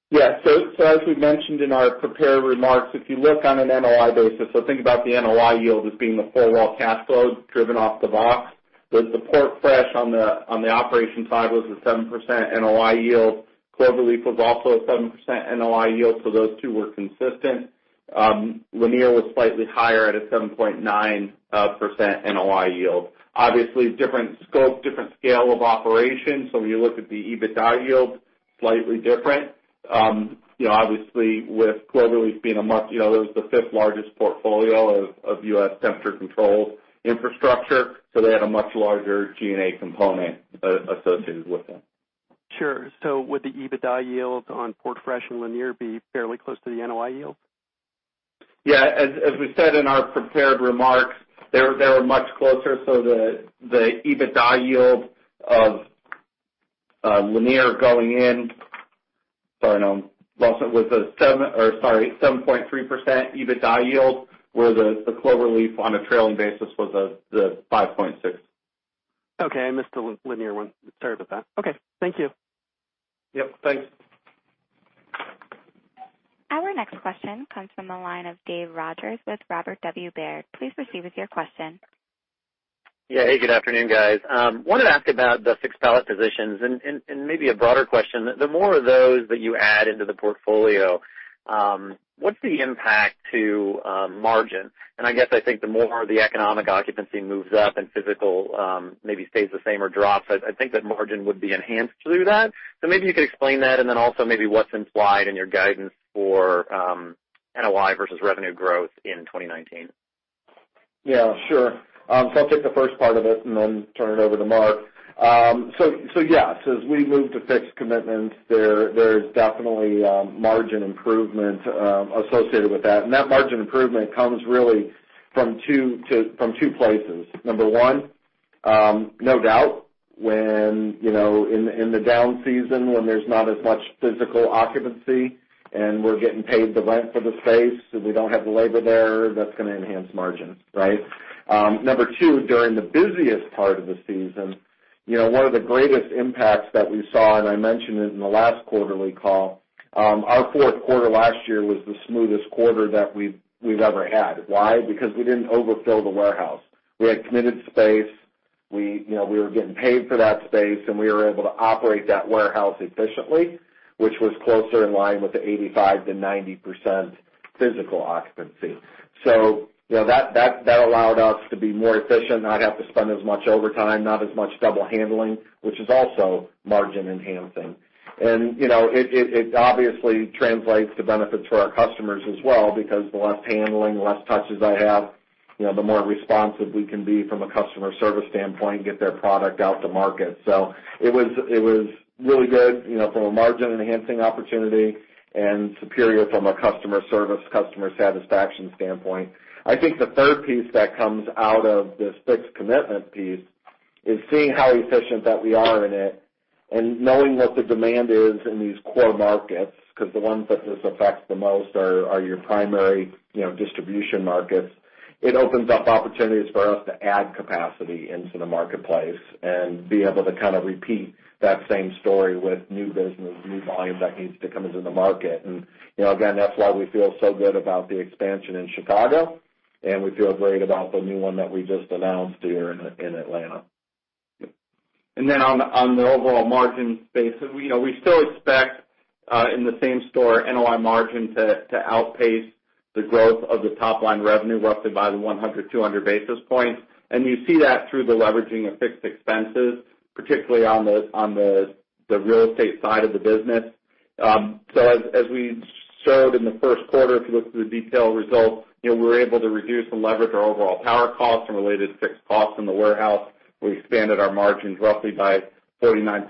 Yeah. As we mentioned in our prepared remarks, if you look on an NOI basis, think about the NOI yield as being the full well cash flow driven off the box. The PortFresh Holdings on the operations side was a 7% NOI yield. Cloverleaf was also a 7% NOI yield. Those two were consistent. Lanier was slightly higher at a 7.9% NOI yield. Obviously different scope, different scale of operations. When you look at the EBITDA yield, slightly different. Obviously with Cloverleaf being a much. It was the fifth largest portfolio of U.S. temperature-controlled infrastructure, so they had a much larger G&A component associated with them. Sure. Would the EBITDA yields on PortFresh Holdings and Lanier be fairly close to the NOI yield? Yeah, as we said in our prepared remarks, they were much closer. The EBITDA yield of Lanier going in, sorry, no, was a seven or 7.3% EBITDA yield, where the Cloverleaf on a trailing basis was a 5.6%. Okay, I missed the Lanier one. Sorry about that. Okay. Thank you. Yep, thanks. Our next question comes from the line of Dave Rodgers with Robert W. Baird. Please proceed with your question. Yeah. Hey, good afternoon, guys. Wanted to ask about the fixed pallet positions and maybe a broader question. The more of those that you add into the portfolio, what's the impact to margin? I guess I think the more the economic occupancy moves up and physical maybe stays the same or drops, I think that margin would be enhanced through that. Maybe you could explain that and then also maybe what's implied in your guidance for NOI versus revenue growth in 2019. Yeah, sure. I'll take the first part of it and then turn it over to Marc. Yeah. As we move to fixed commitments there's definitely margin improvement associated with that. That margin improvement comes really from two places. Number one, no doubt when in the down season, when there's not as much physical occupancy and we're getting paid the rent for the space, so we don't have the labor there, that's going to enhance margin, right? Number two, during the busiest part of the season, one of the greatest impacts that we saw, and I mentioned it in the last quarterly call, our fourth quarter last year was the smoothest quarter that we've ever had. Why? Because we didn't overfill the warehouse. We had committed space. We were getting paid for that space, we were able to operate that warehouse efficiently, which was closer in line with the 85%-90% physical occupancy. That allowed us to be more efficient, not have to spend as much overtime, not as much double handling, which is also margin enhancing. It obviously translates to benefit to our customers as well, because the less handling, the less touches I have, the more responsive we can be from a customer service standpoint, get their product out to market. It was really good from a margin enhancing opportunity and superior from a customer service, customer satisfaction standpoint. I think the third piece that comes out of this fixed commitment piece is seeing how efficient that we are in it and knowing what the demand is in these core markets, because the ones that this affects the most are your primary distribution markets. It opens up opportunities for us to add capacity into the marketplace and be able to kind of repeat that same story with new business, new volume that needs to come into the market. Again, that's why we feel so good about the expansion in Chicago, and we feel great about the new one that we just announced here in Atlanta. Then on the overall margin space, we still expect, in the same-store, NOI margin to outpace the growth of the top-line revenue roughly by the 100-200 basis points. You see that through the leveraging of fixed expenses, particularly on the real estate side of the business. As we showed in the first quarter, if you look through the detailed results, we were able to reduce and leverage our overall power costs and related fixed costs in the warehouse. We expanded our margins roughly by 49%.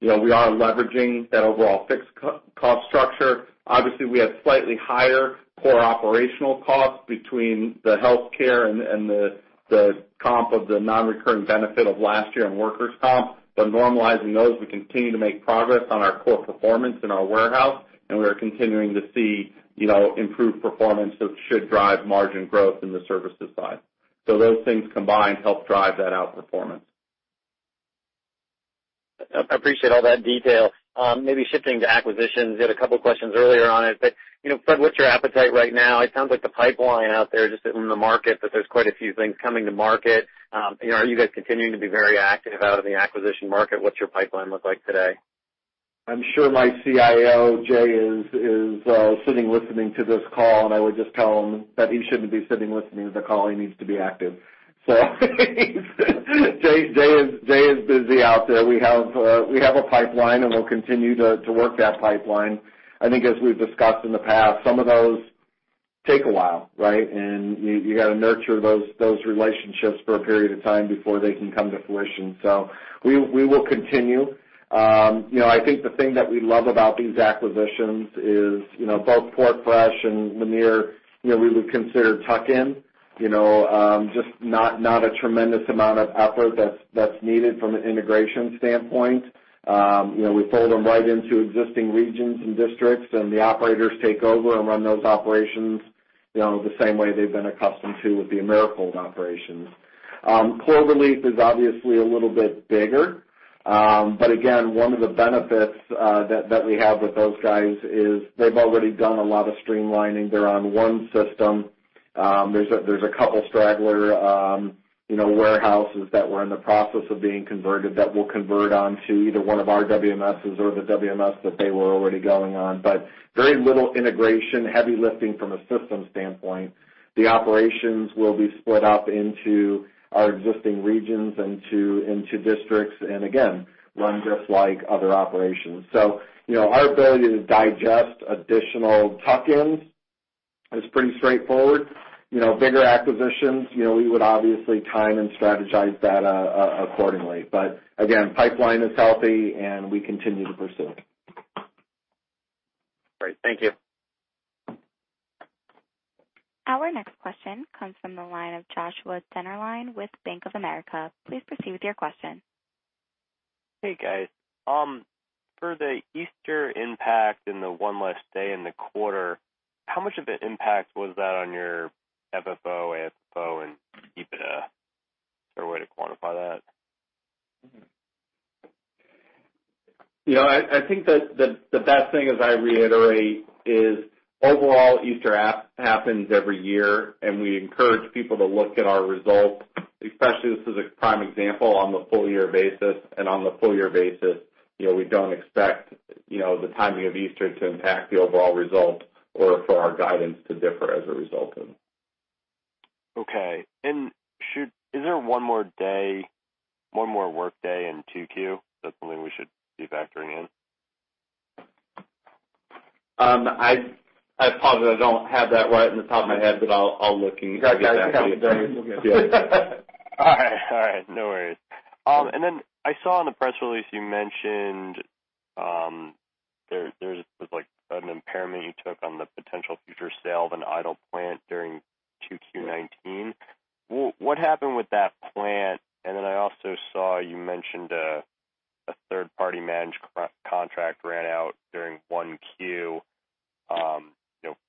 We are leveraging that overall fixed cost structure. Obviously, we had slightly higher core operational costs between the healthcare and the comp of the non-recurring benefit of last year on workers' comp. Normalizing those, we continue to make progress on our core performance in our warehouse, and we are continuing to see improved performance that should drive margin growth in the services side. Those things combined help drive that outperformance. I appreciate all that detail. Maybe shifting to acquisitions, you had a couple questions earlier on it, what's your appetite right now? It sounds like the pipeline out there, just sitting in the market, that there's quite a few things coming to market. Are you guys continuing to be very active out in the acquisition market? What's your pipeline look like today? I'm sure my CIO, Jay, is sitting listening to this call. I would just tell him that he shouldn't be sitting listening to the call. He needs to be active. Jay is busy out there. We have a pipeline, and we'll continue to work that pipeline. I think as we've discussed in the past, some of those take a while, right? You got to nurture those relationships for a period of time before they can come to fruition. We will continue. I think the thing that we love about these acquisitions is, both PortFresh and Lanier, we would consider tuck-in. Just not a tremendous amount of effort that's needed from an integration standpoint. We fold them right into existing regions and districts, and the operators take over and run those operations the same way they've been accustomed to with the Americold operations. Cloverleaf is obviously a little bit bigger. Again, one of the benefits that we have with those guys is they've already done a lot of streamlining. They're on one system. There's a couple straggler warehouses that were in the process of being converted that we'll convert onto either one of our WMSs or the WMS that they were already going on. Very little integration, heavy lifting from a system standpoint. The operations will be split up into our existing regions and into districts. Again, run just like other operations. Our ability to digest additional tuck-ins is pretty straightforward. Bigger acquisitions, we would obviously time and strategize that accordingly. Again, pipeline is healthy, and we continue to pursue it. Great. Thank you. Our next question comes from the line of Joshua Dennerlein with Bank of America. Please proceed with your question. Hey, guys. For the Easter impact and the one last day in the quarter, how much of an impact was that on your FFO, AFFO, and EBITDA? Is there a way to quantify that? I think that the best thing, as I reiterate, is overall, Easter happens every year, and we encourage people to look at our results, especially this is a prime example, on the full-year basis. On the full-year basis, we don't expect the timing of Easter to impact the overall result or for our guidance to differ as a result of. Okay. Is there one more day, one more workday in 2Q that's something we should be factoring in? I apologize. I don't have that right in the top of my head, but I'll look and get back to you. You guys have to count the days. All right. No worries. Then I saw in the press release you mentioned, there was an impairment you took on the potential future sale of an idle plant during 2Q 2019. What happened with that plant? Then I also saw you mentioned a third-party managed contract ran out during 1Q.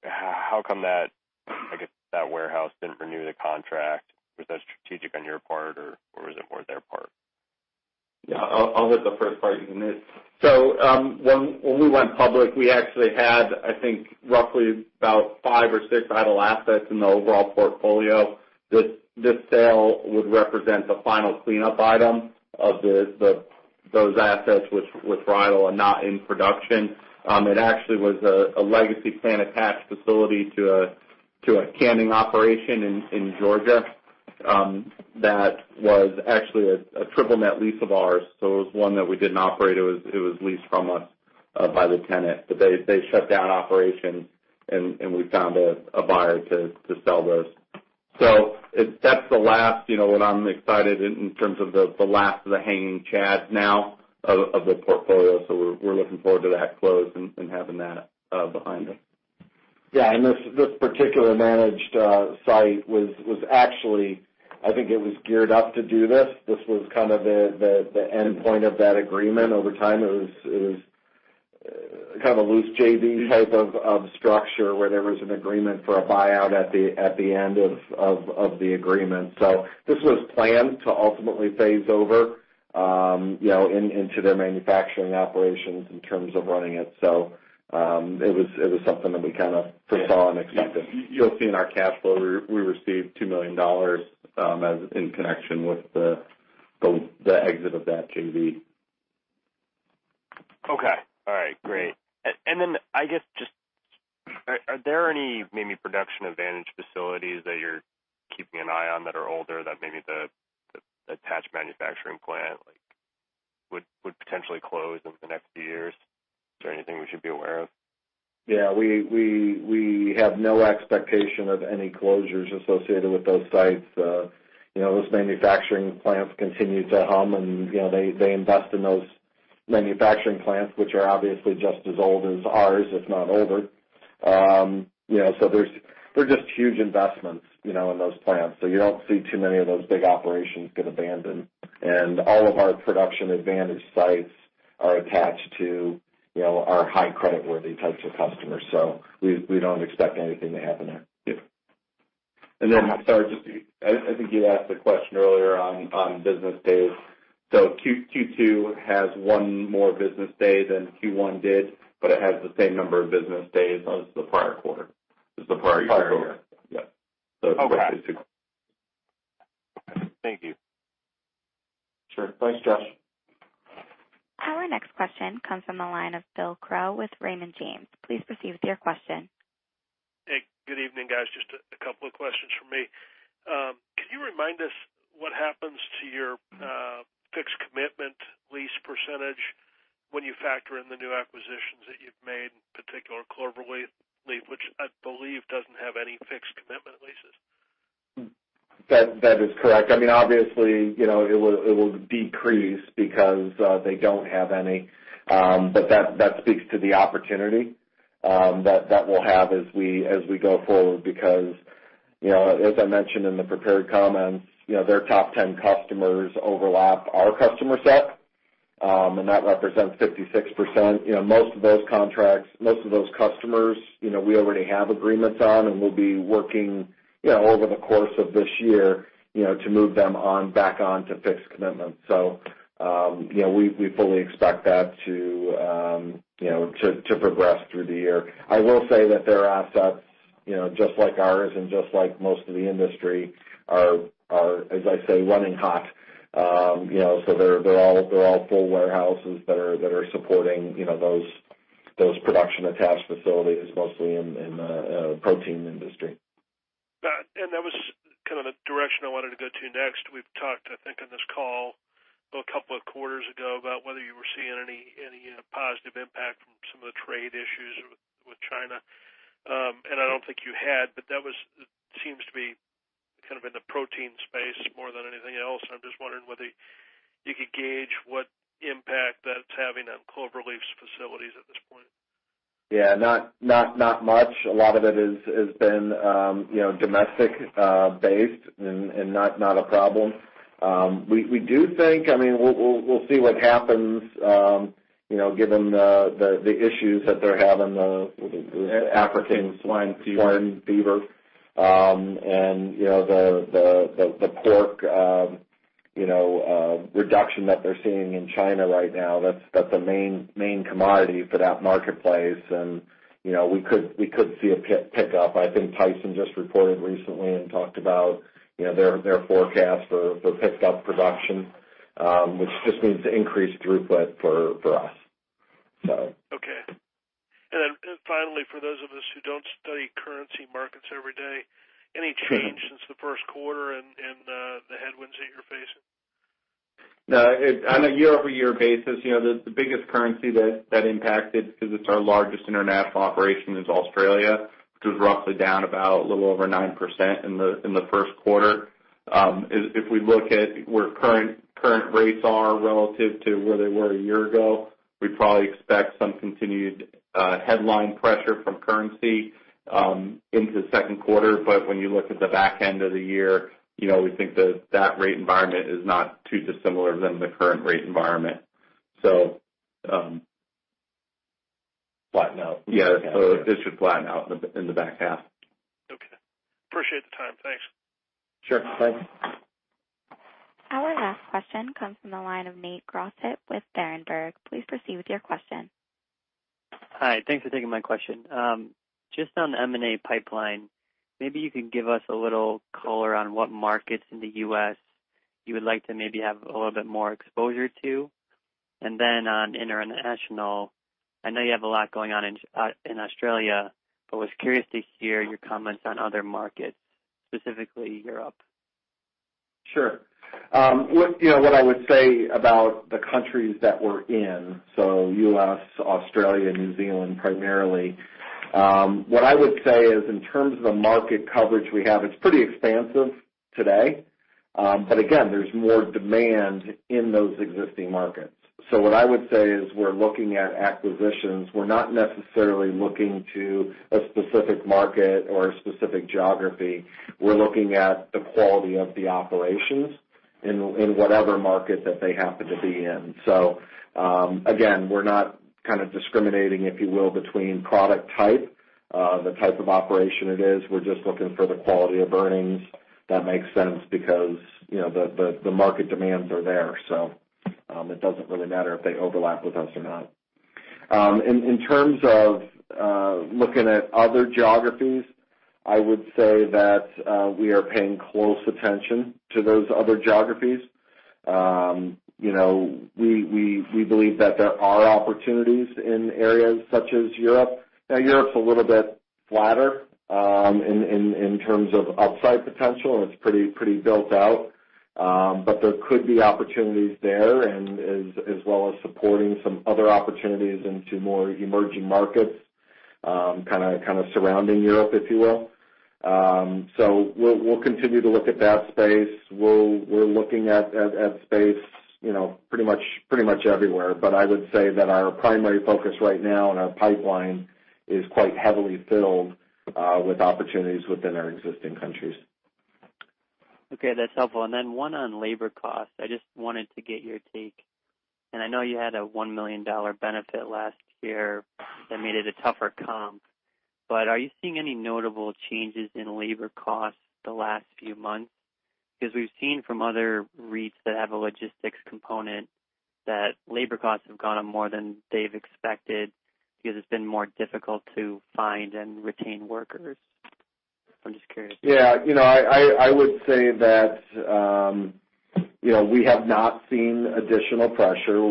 How come that, I guess, that warehouse didn't renew the contract? Was that strategic on your part, or was it more their part? Yeah. I'll hit the first part [unit]. When we went public, we actually had, I think, roughly about five or six idle assets in the overall portfolio. This sale would represent the final cleanup item of those assets which was idle and not in production. It actually was a legacy plant attached facility to a canning operation in Georgia, that was actually a triple net lease of ours. It was one that we didn't operate. It was leased from us by the tenant. They shut down operations, and we found a buyer to sell those. That's the last, what I'm excited in terms of the last of the hanging chads now of the portfolio. We're looking forward to that close and having that behind us. Yeah. This particular managed site was actually, I think it was geared up to do this. This was kind of the end point of that agreement over time. It was kind of a loose JV type of structure where there was an agreement for a buyout at the end of the agreement. This was planned to ultimately phase over into their manufacturing operations in terms of running it. It was something that we kind of foresaw and expected. You'll see in our cash flow, we received $2 million in connection with the exit of that JV. I guess, are there any maybe production advantage facilities that you're keeping an eye on that are older that maybe the attached manufacturing plant would potentially close within the next few years? Is there anything we should be aware of? Yeah. We have no expectation of any closures associated with those sites. Those manufacturing plants continue to hum and they invest in those manufacturing plants, which are obviously just as old as ours, if not older. They're just huge investments in those plants. You don't see too many of those big operations get abandoned. All of our production advantage sites are attached to our high creditworthy types of customers. We don't expect anything to happen there. Yeah. Sorry, I think you asked a question earlier on business days. Q2 has one more business day than Q1 did, but it has the same number of business days as the prior year. Okay. Thank you. Sure. Thanks, Josh. Our next question comes from the line of William Crow with Raymond James. Please proceed with your question. Hey, good evening, guys. Just a couple of questions from me. Can you remind us what happens to your fixed commitment lease percentage when you factor in the new acquisitions that you've made, in particular Cloverleaf, which I believe doesn't have any fixed commitment leases? That is correct. Obviously, it will decrease because they don't have any, that speaks to the opportunity that we'll have as we go forward because as I mentioned in the prepared comments, their top 10 customers overlap our customer set, and that represents 56%. Most of those customers we already have agreements on and will be working over the course of this year to move them back on to fixed commitments. We fully expect that to progress through the year. I will say that their assets, just like ours and just like most of the industry are, as I say, running hot. They're all full warehouses that are supporting those production attached facilities, mostly in the protein industry. Got it. That was kind of the direction I wanted to go to next. We've talked, I think, on this call a couple of quarters ago about whether you were seeing any positive impact from some of the trade issues with China. I don't think you had, but that seems to be kind of in the protein space more than anything else. I'm just wondering whether you could gauge what impact that's having on Cloverleaf's facilities at this point. Yeah. Not much. A lot of it has been domestic based and not a problem. We do think we'll see what happens given the issues that they're having, the African swine fever and the pork reduction that they're seeing in China right now. That's the main commodity for that marketplace, and we could see a pickup. I think Tyson just reported recently and talked about their forecast for picked up production, which just means increased throughput for us. Okay. Finally, for those of us who don't study currency markets every day, any change since the first quarter in the headwinds that you're facing? On a year-over-year basis, the biggest currency that impacted, because it's our largest international operation, is Australia, which was roughly down about a little over 9% in the first quarter. When you look at the back end of the year, we think that rate environment is not too dissimilar than the current rate environment. Flatten out. Yeah. It should flatten out in the back half. Okay. Appreciate the time. Thanks. Sure. Thanks. Our last question comes from the line of Nate Crossett with Berenberg. Please proceed with your question. Hi. Thanks for taking my question. Just on the M&A pipeline, maybe you could give us a little color on what markets in the U.S. you would like to maybe have a little bit more exposure to. On international, I know you have a lot going on in Australia, was curious to hear your comments on other markets, specifically Europe. Sure. What I would say about the countries that we're in, U.S., Australia, New Zealand primarily, what I would say is in terms of the market coverage we have, it's pretty expansive today. Again, there's more demand in those existing markets. What I would say is we're looking at acquisitions. We're not necessarily looking to a specific market or a specific geography. We're looking at the quality of the operations in whatever market that they happen to be in. Again, we're not kind of discriminating, if you will, between product type, the type of operation it is. We're just looking for the quality of earnings that makes sense because the market demands are there. It doesn't really matter if they overlap with us or not. In terms of looking at other geographies, I would say that we are paying close attention to those other geographies. We believe that there are opportunities in areas such as Europe. Europe's a little bit flatter in terms of upside potential, and it's pretty built out. There could be opportunities there, and as well as supporting some other opportunities into more emerging markets, kind of surrounding Europe, if you will. We'll continue to look at that space. We're looking at space pretty much everywhere. I would say that our primary focus right now in our pipeline is quite heavily filled with opportunities within our existing countries. Okay, that's helpful. Then one on labor cost. I just wanted to get your take, and I know you had a $1 million benefit last year that made it a tougher comp. Are you seeing any notable changes in labor costs the last few months? Because we've seen from other REITs that have a logistics component that labor costs have gone up more than they've expected because it's been more difficult to find and retain workers. I'm just curious. Yeah. I would say that we have not seen additional pressure.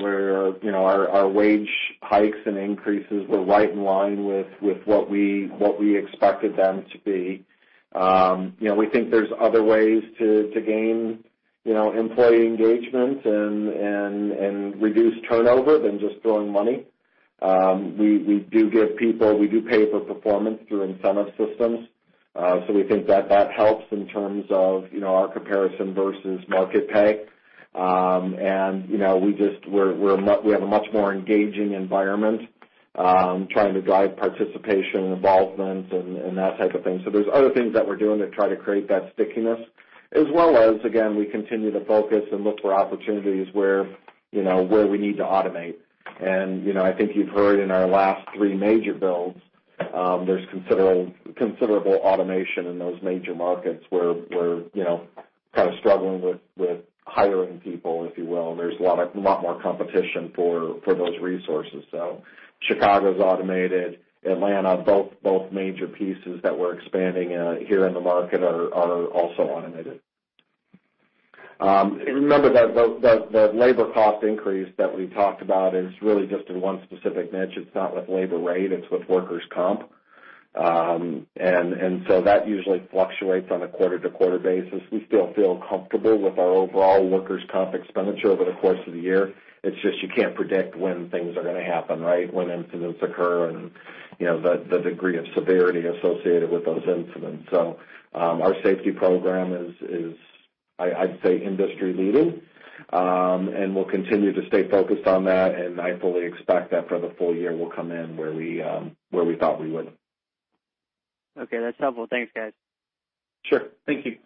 Our wage hikes and increases were right in line with what we expected them to be. We think there's other ways to gain employee engagement and reduce turnover than just throwing money. We do pay for performance through incentive systems. We think that helps in terms of our comparison versus market pay. We have a much more engaging environment, trying to drive participation, involvement, and that type of thing. There's other things that we're doing to try to create that stickiness as well as, again, we continue to focus and look for opportunities where we need to automate. I think you've heard in our last 3 major builds, there's considerable automation in those major markets where we're kind of struggling with hiring people, if you will. There's a lot more competition for those resources. Chicago's automated, Atlanta, both major pieces that we're expanding here in the market are also automated. Remember that the labor cost increase that we talked about is really just in one specific niche. It's not with labor rate, it's with workers' comp. That usually fluctuates on a quarter-to-quarter basis. We still feel comfortable with our overall workers' comp expenditure over the course of the year. It's just you can't predict when things are going to happen, right? When incidents occur and the degree of severity associated with those incidents. Our safety program is, I'd say, industry leading. We'll continue to stay focused on that, and I fully expect that for the full year, we'll come in where we thought we would. Okay, that's helpful. Thanks, guys. Sure. Thank you.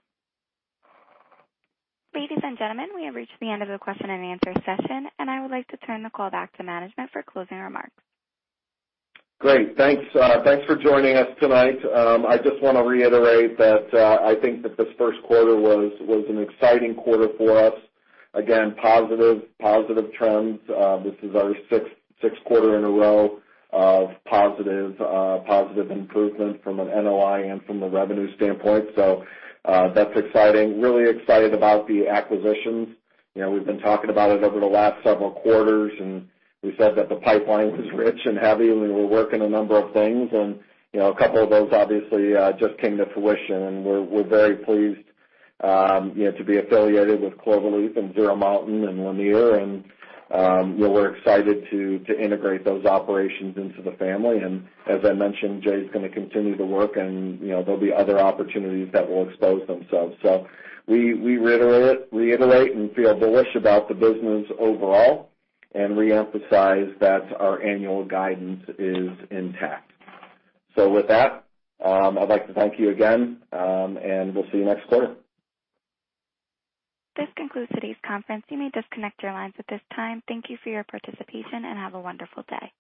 Ladies and gentlemen, we have reached the end of the question and answer session. I would like to turn the call back to management for closing remarks. Great. Thanks for joining us tonight. I just want to reiterate that I think that this first quarter was an exciting quarter for us. Again, positive trends. This is our sixth quarter in a row of positive improvement from an NOI and from a revenue standpoint. That's exciting. Really excited about the acquisitions. We've been talking about it over the last several quarters. We said that the pipeline was rich and heavy, and we were working a number of things. A couple of those obviously just came to fruition, and we're very pleased to be affiliated with Cloverleaf and Zero Mountain and Lanier. We're excited to integrate those operations into the family. As I mentioned, Jay is going to continue to work, and there'll be other opportunities that will expose themselves. We reiterate and feel bullish about the business overall and reemphasize that our annual guidance is intact. With that, I'd like to thank you again, and we'll see you next quarter. This concludes today's conference. You may disconnect your lines at this time. Thank you for your participation and have a wonderful day.